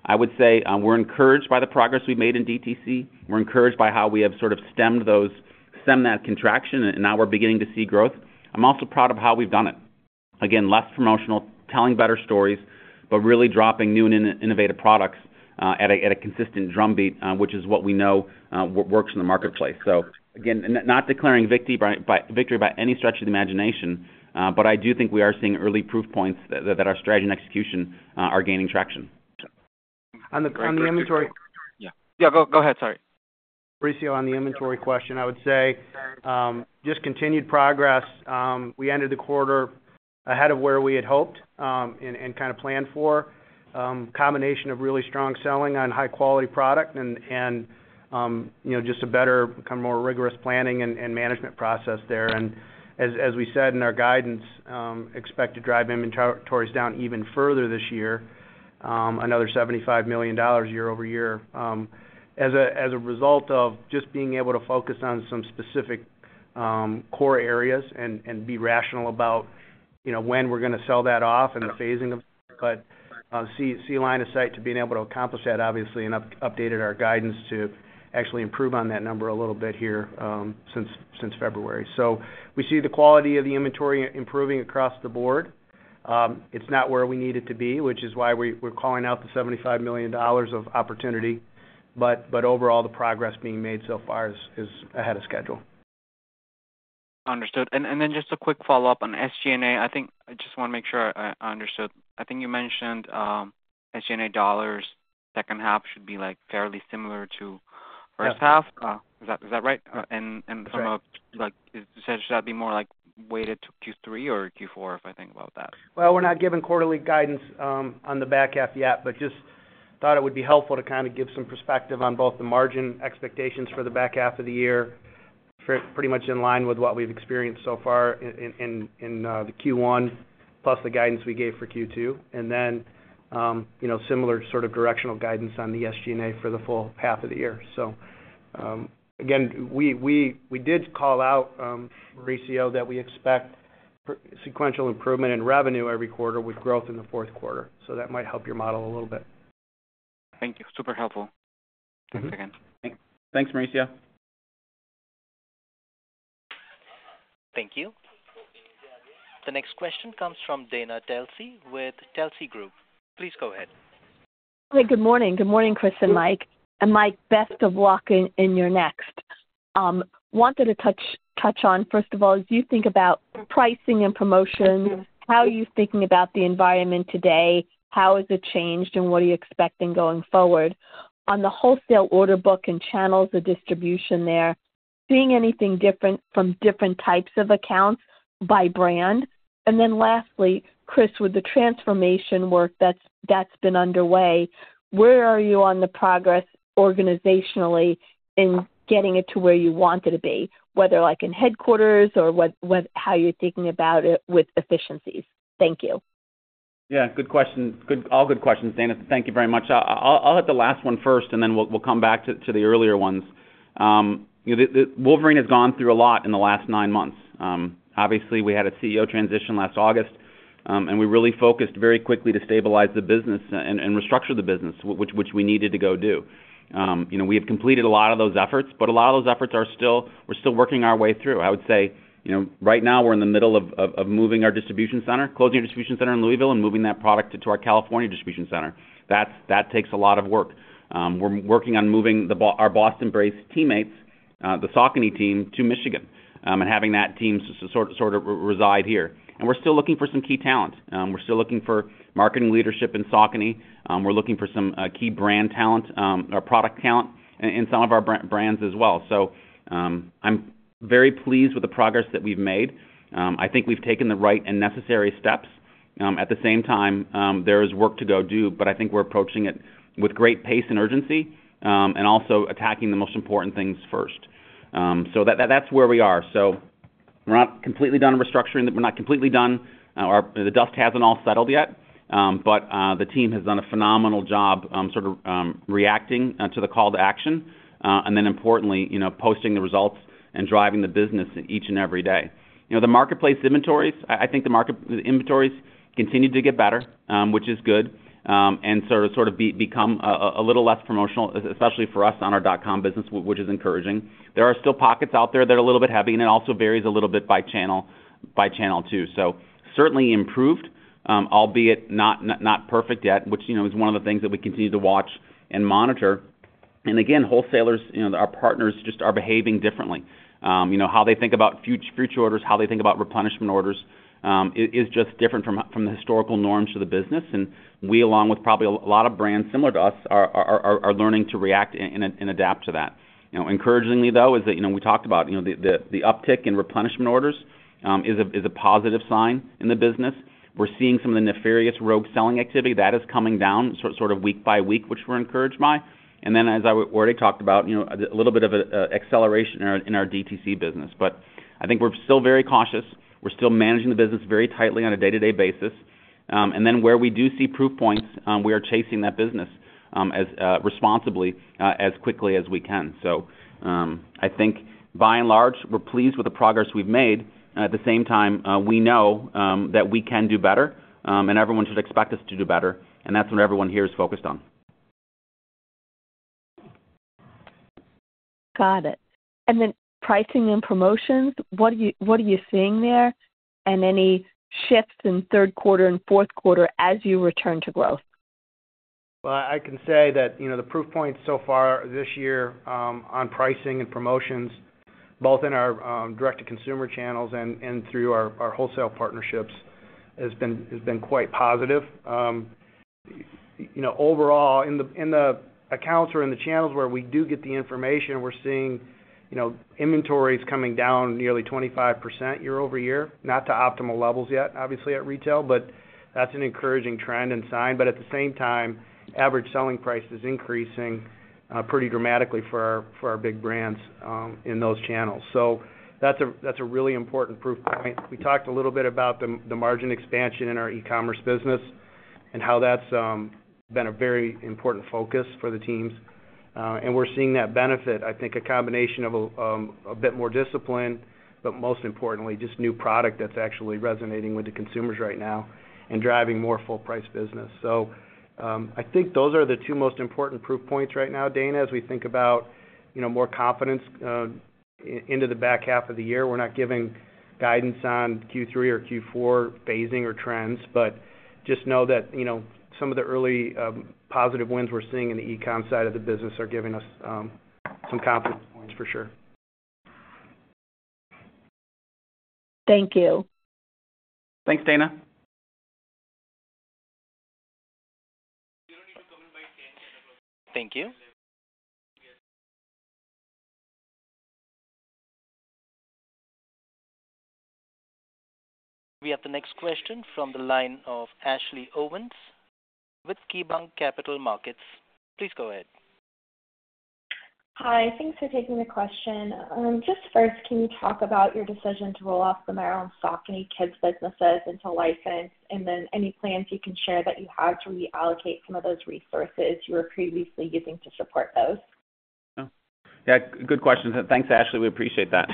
I would say we're encouraged by the progress we've made in DTC. We're encouraged by how we have sort of stemmed that contraction, and now we're beginning to see growth. I'm also proud of how we've done it. Again, less promotional, telling better stories, but really dropping new and innovative products at a consistent drumbeat, which is what we know works in the marketplace. So again, not declaring victory by any stretch of the imagination, but I do think we are seeing early proof points that our strategy and execution are gaining traction. On the inventory. Yeah. Yeah. Go ahead. Sorry. Mauricio, on the inventory question, I would say just continued progress. We ended the quarter ahead of where we had hoped and kind of planned for, combination of really strong selling on high-quality product and just a better, kind of more rigorous planning and management process there. And as we said in our guidance, expect to drive inventories down even further this year, another $75 million year-over-year as a result of just being able to focus on some specific core areas and be rational about when we're going to sell that off and the phasing of that. But we see line of sight to being able to accomplish that, obviously, and updated our guidance to actually improve on that number a little bit here since February. So we see the quality of the inventory improving across the board. It's not where we need it to be, which is why we're calling out the $75 million of opportunity. But overall, the progress being made so far is ahead of schedule. Understood. And then just a quick follow-up on SG&A. I just want to make sure I understood. I think you mentioned SG&A dollars, H2 should be fairly similar to H1. Is that right? And from a should that be more weighted to Q3 or Q4 if I think about that? Well, we're not given quarterly guidance on the back half yet but just thought it would be helpful to kind of give some perspective on both the margin expectations for the back half of the year, pretty much in line with what we've experienced so far in the Q1 plus the guidance we gave for Q2, and then similar sort of directional guidance on the SG&A for the full half of the year. So again, we did call out, Mauricio, that we expect sequential improvement in revenue every quarter with growth in the fourth quarter. So that might help your model a little bit. Thank you. Super helpful. Thanks again. Thanks, Mauricio. Thank you. The next question comes from Dana Telsey with Telsey Advisory Group. Please go ahead. Hey. Good morning. Good morning, Chris and Mike. And Mike, best of luck in your next. Wanted to touch on, first of all, as you think about pricing and promotion, how you're thinking about the environment today, how has it changed, and what are you expecting going forward on the wholesale order book and channels, the distribution there, seeing anything different from different types of accounts by brand? And then lastly, Chris, with the transformation work that's been underway, where are you on the progress organizationally in getting it to where you want it to be, whether in headquarters or how you're thinking about it with efficiencies? Thank you. Yeah. Good questions. All good questions, Dana. Thank you very much. I'll hit the last one first, and then we'll come back to the earlier ones. Wolverine has gone through a lot in the last nine months. Obviously, we had a CEO transition last August, and we really focused very quickly to stabilize the business and restructure the business, which we needed to go do. We have completed a lot of those efforts, but a lot of those efforts, we're still working our way through. I would say right now, we're in the middle of moving our distribution center, closing our distribution center in Louisville, and moving that product to our California distribution center. That takes a lot of work. We're working on moving our Boston-based teammates, the Saucony team, to Michigan and having that team sort of reside here. And we're still looking for some key talent. We're still looking for marketing leadership in Saucony. We're looking for some key brand talent or product talent in some of our brands as well. So I'm very pleased with the progress that we've made. I think we've taken the right and necessary steps. At the same time, there is work to go do, but I think we're approaching it with great pace and urgency and also attacking the most important things first. So that's where we are. So we're not completely done restructuring. We're not completely done. The dust hasn't all settled yet, but the team has done a phenomenal job sort of reacting to the call to action and then, importantly, posting the results and driving the business each and every day. The marketplace inventories, I think the inventories continue to get better, which is good and sort of become a little less promotional, especially for us on our dot-com business, which is encouraging. There are still pockets out there that are a little bit heavy, and it also varies a little bit by channel too. So certainly improved, albeit not perfect yet, which is one of the things that we continue to watch and monitor. And again, wholesalers, our partners, just are behaving differently. How they think about future orders, how they think about replenishment orders is just different from the historical norms to the business. And we, along with probably a lot of brands similar to us, are learning to react and adapt to that. Encouragingly, though, is that we talked about the uptick in replenishment orders is a positive sign in the business. We're seeing some of the nefarious rogue selling activity. That is coming down sort of week by week, which we're encouraged by. And then, as I already talked about, a little bit of an acceleration in our DTC business. But I think we're still very cautious. We're still managing the business very tightly on a day-to-day basis. Then where we do see proof points, we are chasing that business responsibly as quickly as we can. So I think, by and large, we're pleased with the progress we've made. At the same time, we know that we can do better, and everyone should expect us to do better. And that's what everyone here is focused on. Got it. And then pricing and promotions, what are you seeing there and any shifts in third quarter and fourth quarter as you return to growth? Well, I can say that the proof points so far this year on pricing and promotions, both in our direct-to-consumer channels and through our wholesale partnerships, has been quite positive. Overall, in the accounts or in the channels where we do get the information, we're seeing inventories coming down nearly 25% year-over-year, not to optimal levels yet, obviously, at retail, but that's an encouraging trend and sign. But at the same time, average selling price is increasing pretty dramatically for our big brands in those channels. So that's a really important proof point. We talked a little bit about the margin expansion in our e-commerce business and how that's been a very important focus for the teams. And we're seeing that benefit, I think, a combination of a bit more discipline but, most importantly, just new product that's actually resonating with the consumers right now and driving more full-price business. So I think those are the two most important proof points right now, Dana, as we think about more confidence into the back half of the year. We're not giving guidance on Q3 or Q4 phasing or trends, but just know that some of the early positive winds we're seeing in the e-com side of the business are giving us some confidence points for sure. Thank you. Thanks, Dana. Thank you. We have the next question from the line of Ashley Owens with KeyBanc Capital Markets. Please go ahead. Hi. Thanks for taking the question. Just first, can you talk about your decision to roll off the Merrell & Saucony kids' businesses into license and then any plans you can share that you have to allocate some of those resources you were previously using to support those? Yeah. Good question. Thanks, Ashley. We appreciate that.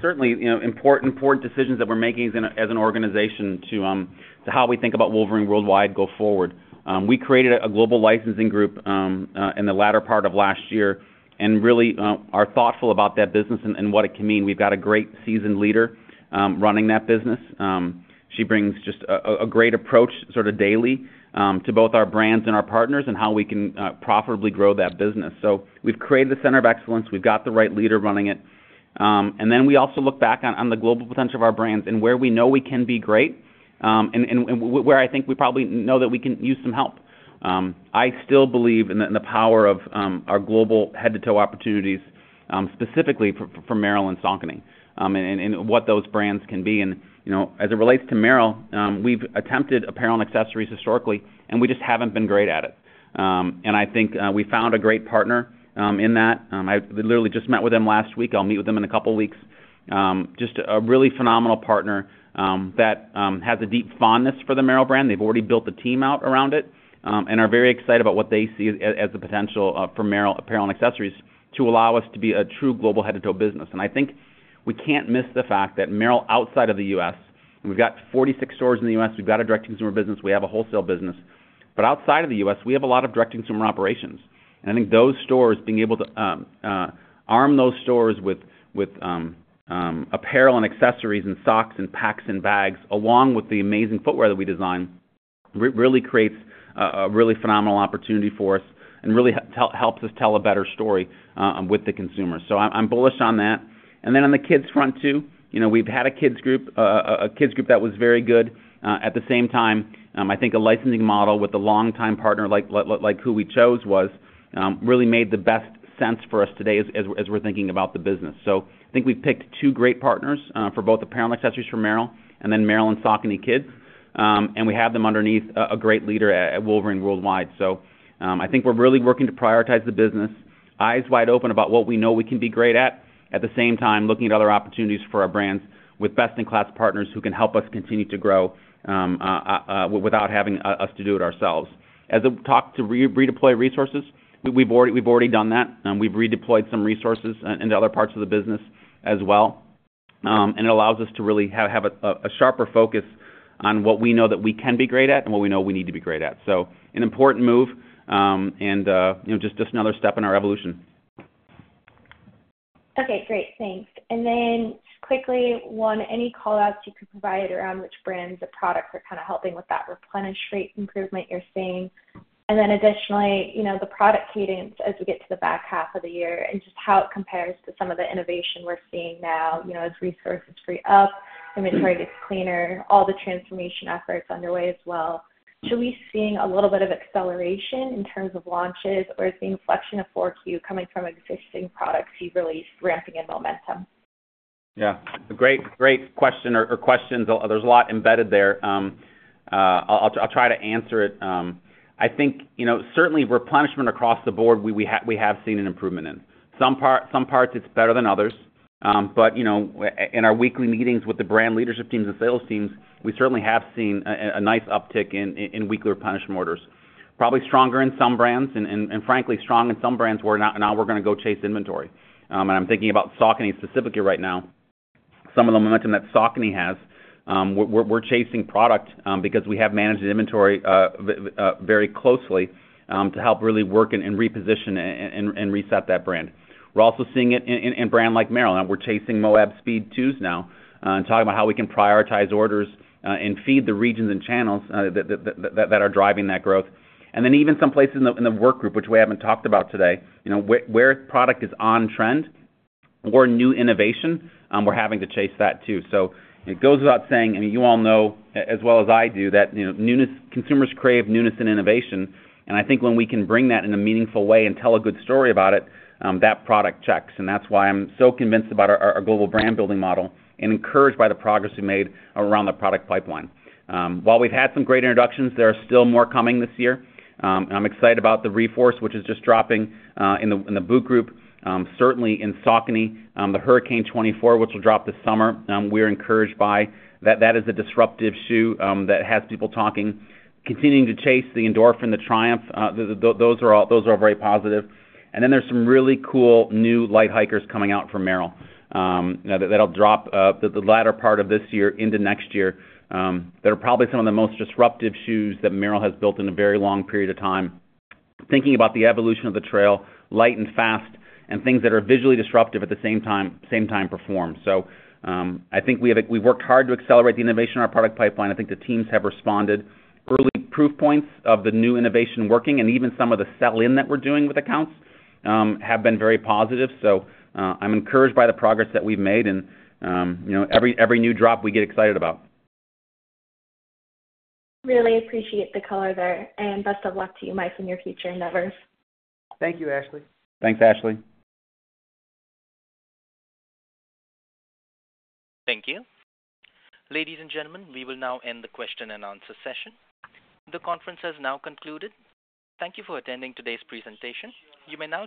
Certainly, important decisions that we're making as an organization to how we think about Wolverine World Wide go forward. We created a global licensing group in the latter part of last year and really are thoughtful about that business and what it can mean. We've got a great seasoned leader running that business. She brings just a great approach sort of daily to both our brands and our partners and how we can profitably grow that business. So we've created the center of excellence. We've got the right leader running it. And then we also look back on the global potential of our brands and where we know we can be great and where I think we probably know that we can use some help. I still believe in the power of our global head-to-toe opportunities, specifically for Merrell and Saucony and what those brands can be. And as it relates to Merrell, we've attempted apparel and accessories historically, and we just haven't been great at it. I think we found a great partner in that. I literally just met with them last week. I'll meet with them in a couple of weeks. Just a really phenomenal partner that has a deep fondness for the Merrell brand. They've already built the team out around it and are very excited about what they see as the potential for Merrell apparel and accessories to allow us to be a true global head-to-toe business. I think we can't miss the fact that Merrell, outside of the U.S., and we've got 46 stores in the U.S. We've got a direct-to-consumer business. We have a wholesale business. But outside of the U.S., we have a lot of direct-to-consumer operations. I think those stores, being able to arm those stores with apparel and accessories and socks and packs and bags along with the amazing footwear that we design, really creates a really phenomenal opportunity for us and really helps us tell a better story with the consumer. So I'm bullish on that. Then on the kids' front too, we've had a kids' group that was very good. At the same time, I think a licensing model with a long-time partner like who we chose really made the best sense for us today as we're thinking about the business. So I think we've picked two great partners for both apparel and accessories for Merrell and then Merrell Saucony kids. And we have them underneath a great leader at Wolverine World Wide. So I think we're really working to prioritize the business, eyes wide open about what we know we can be great at, at the same time looking at other opportunities for our brands with best-in-class partners who can help us continue to grow without having us to do it ourselves. As it talked to redeploy resources, we've already done that. We've redeployed some resources into other parts of the business as well. And it allows us to really have a sharper focus on what we know that we can be great at and what we know we need to be great at. So an important move and just another step in our evolution. Okay. Great. Thanks. And then quickly, one any callouts you could provide around which brands of products are kind of helping with that replenish rate improvement you're seeing? Then additionally, the product cadence as we get to the back half of the year and just how it compares to some of the innovation we're seeing now as resources free up, inventory gets cleaner, all the transformation efforts underway as well. So are we seeing a little bit of acceleration in terms of launches, or is the inflection of 4Q coming from existing products you've released, ramping in momentum? Yeah. A great question or questions. There's a lot embedded there. I'll try to answer it. I think certainly, replenishment across the board, we have seen an improvement in. Some parts, it's better than others. But in our weekly meetings with the brand leadership teams and sales teams, we certainly have seen a nice uptick in weekly replenishment orders, probably stronger in some brands and, frankly, strong in some brands where now we're going to go chase inventory. I'm thinking about Saucony specifically right now, some of the momentum that Saucony has. We're chasing product because we have managed inventory very closely to help really work and reposition and reset that brand. We're also seeing it in brands like Merrell. Now, we're chasing Moab Speed 2s now and talking about how we can prioritize orders and feed the regions and channels that are driving that growth. And then even some places in the workgroup, which we haven't talked about today, where product is on trend or new innovation, we're having to chase that too. So it goes without saying, I mean, you all know as well as I do that consumers crave newness and innovation. And I think when we can bring that in a meaningful way and tell a good story about it, that product checks. That's why I'm so convinced about our global brand-building model and encouraged by the progress we've made around the product pipeline. While we've had some great introductions, there are still more coming this year. I'm excited about the Reforce, which is just dropping in the boot group. Certainly, in Saucony, the Hurricane 24, which will drop this summer, we are encouraged by. That is a disruptive shoe that has people talking, continuing to chase the Endorphin, the Triumph. Those are all very positive. Then there's some really cool new light hikers coming out from Merrell that'll drop the latter part of this year into next year. They're probably some of the most disruptive shoes that Merrell has built in a very long period of time, thinking about the evolution of the trail, light and fast, and things that are visually disruptive at the same time perform. I think we've worked hard to accelerate the innovation in our product pipeline. I think the teams have responded. Early proof points of the new innovation working and even some of the sell-in that we're doing with accounts have been very positive. I'm encouraged by the progress that we've made, and every new drop, we get excited about. Really appreciate the color there. Best of luck to you, Mike, in your future endeavors. Thank you, Ashley. Thanks, Ashley. Thank you. Ladies and gentlemen, we will now end the question-and-answer session. The conference has now concluded. Thank you for attending today's presentation. You may now.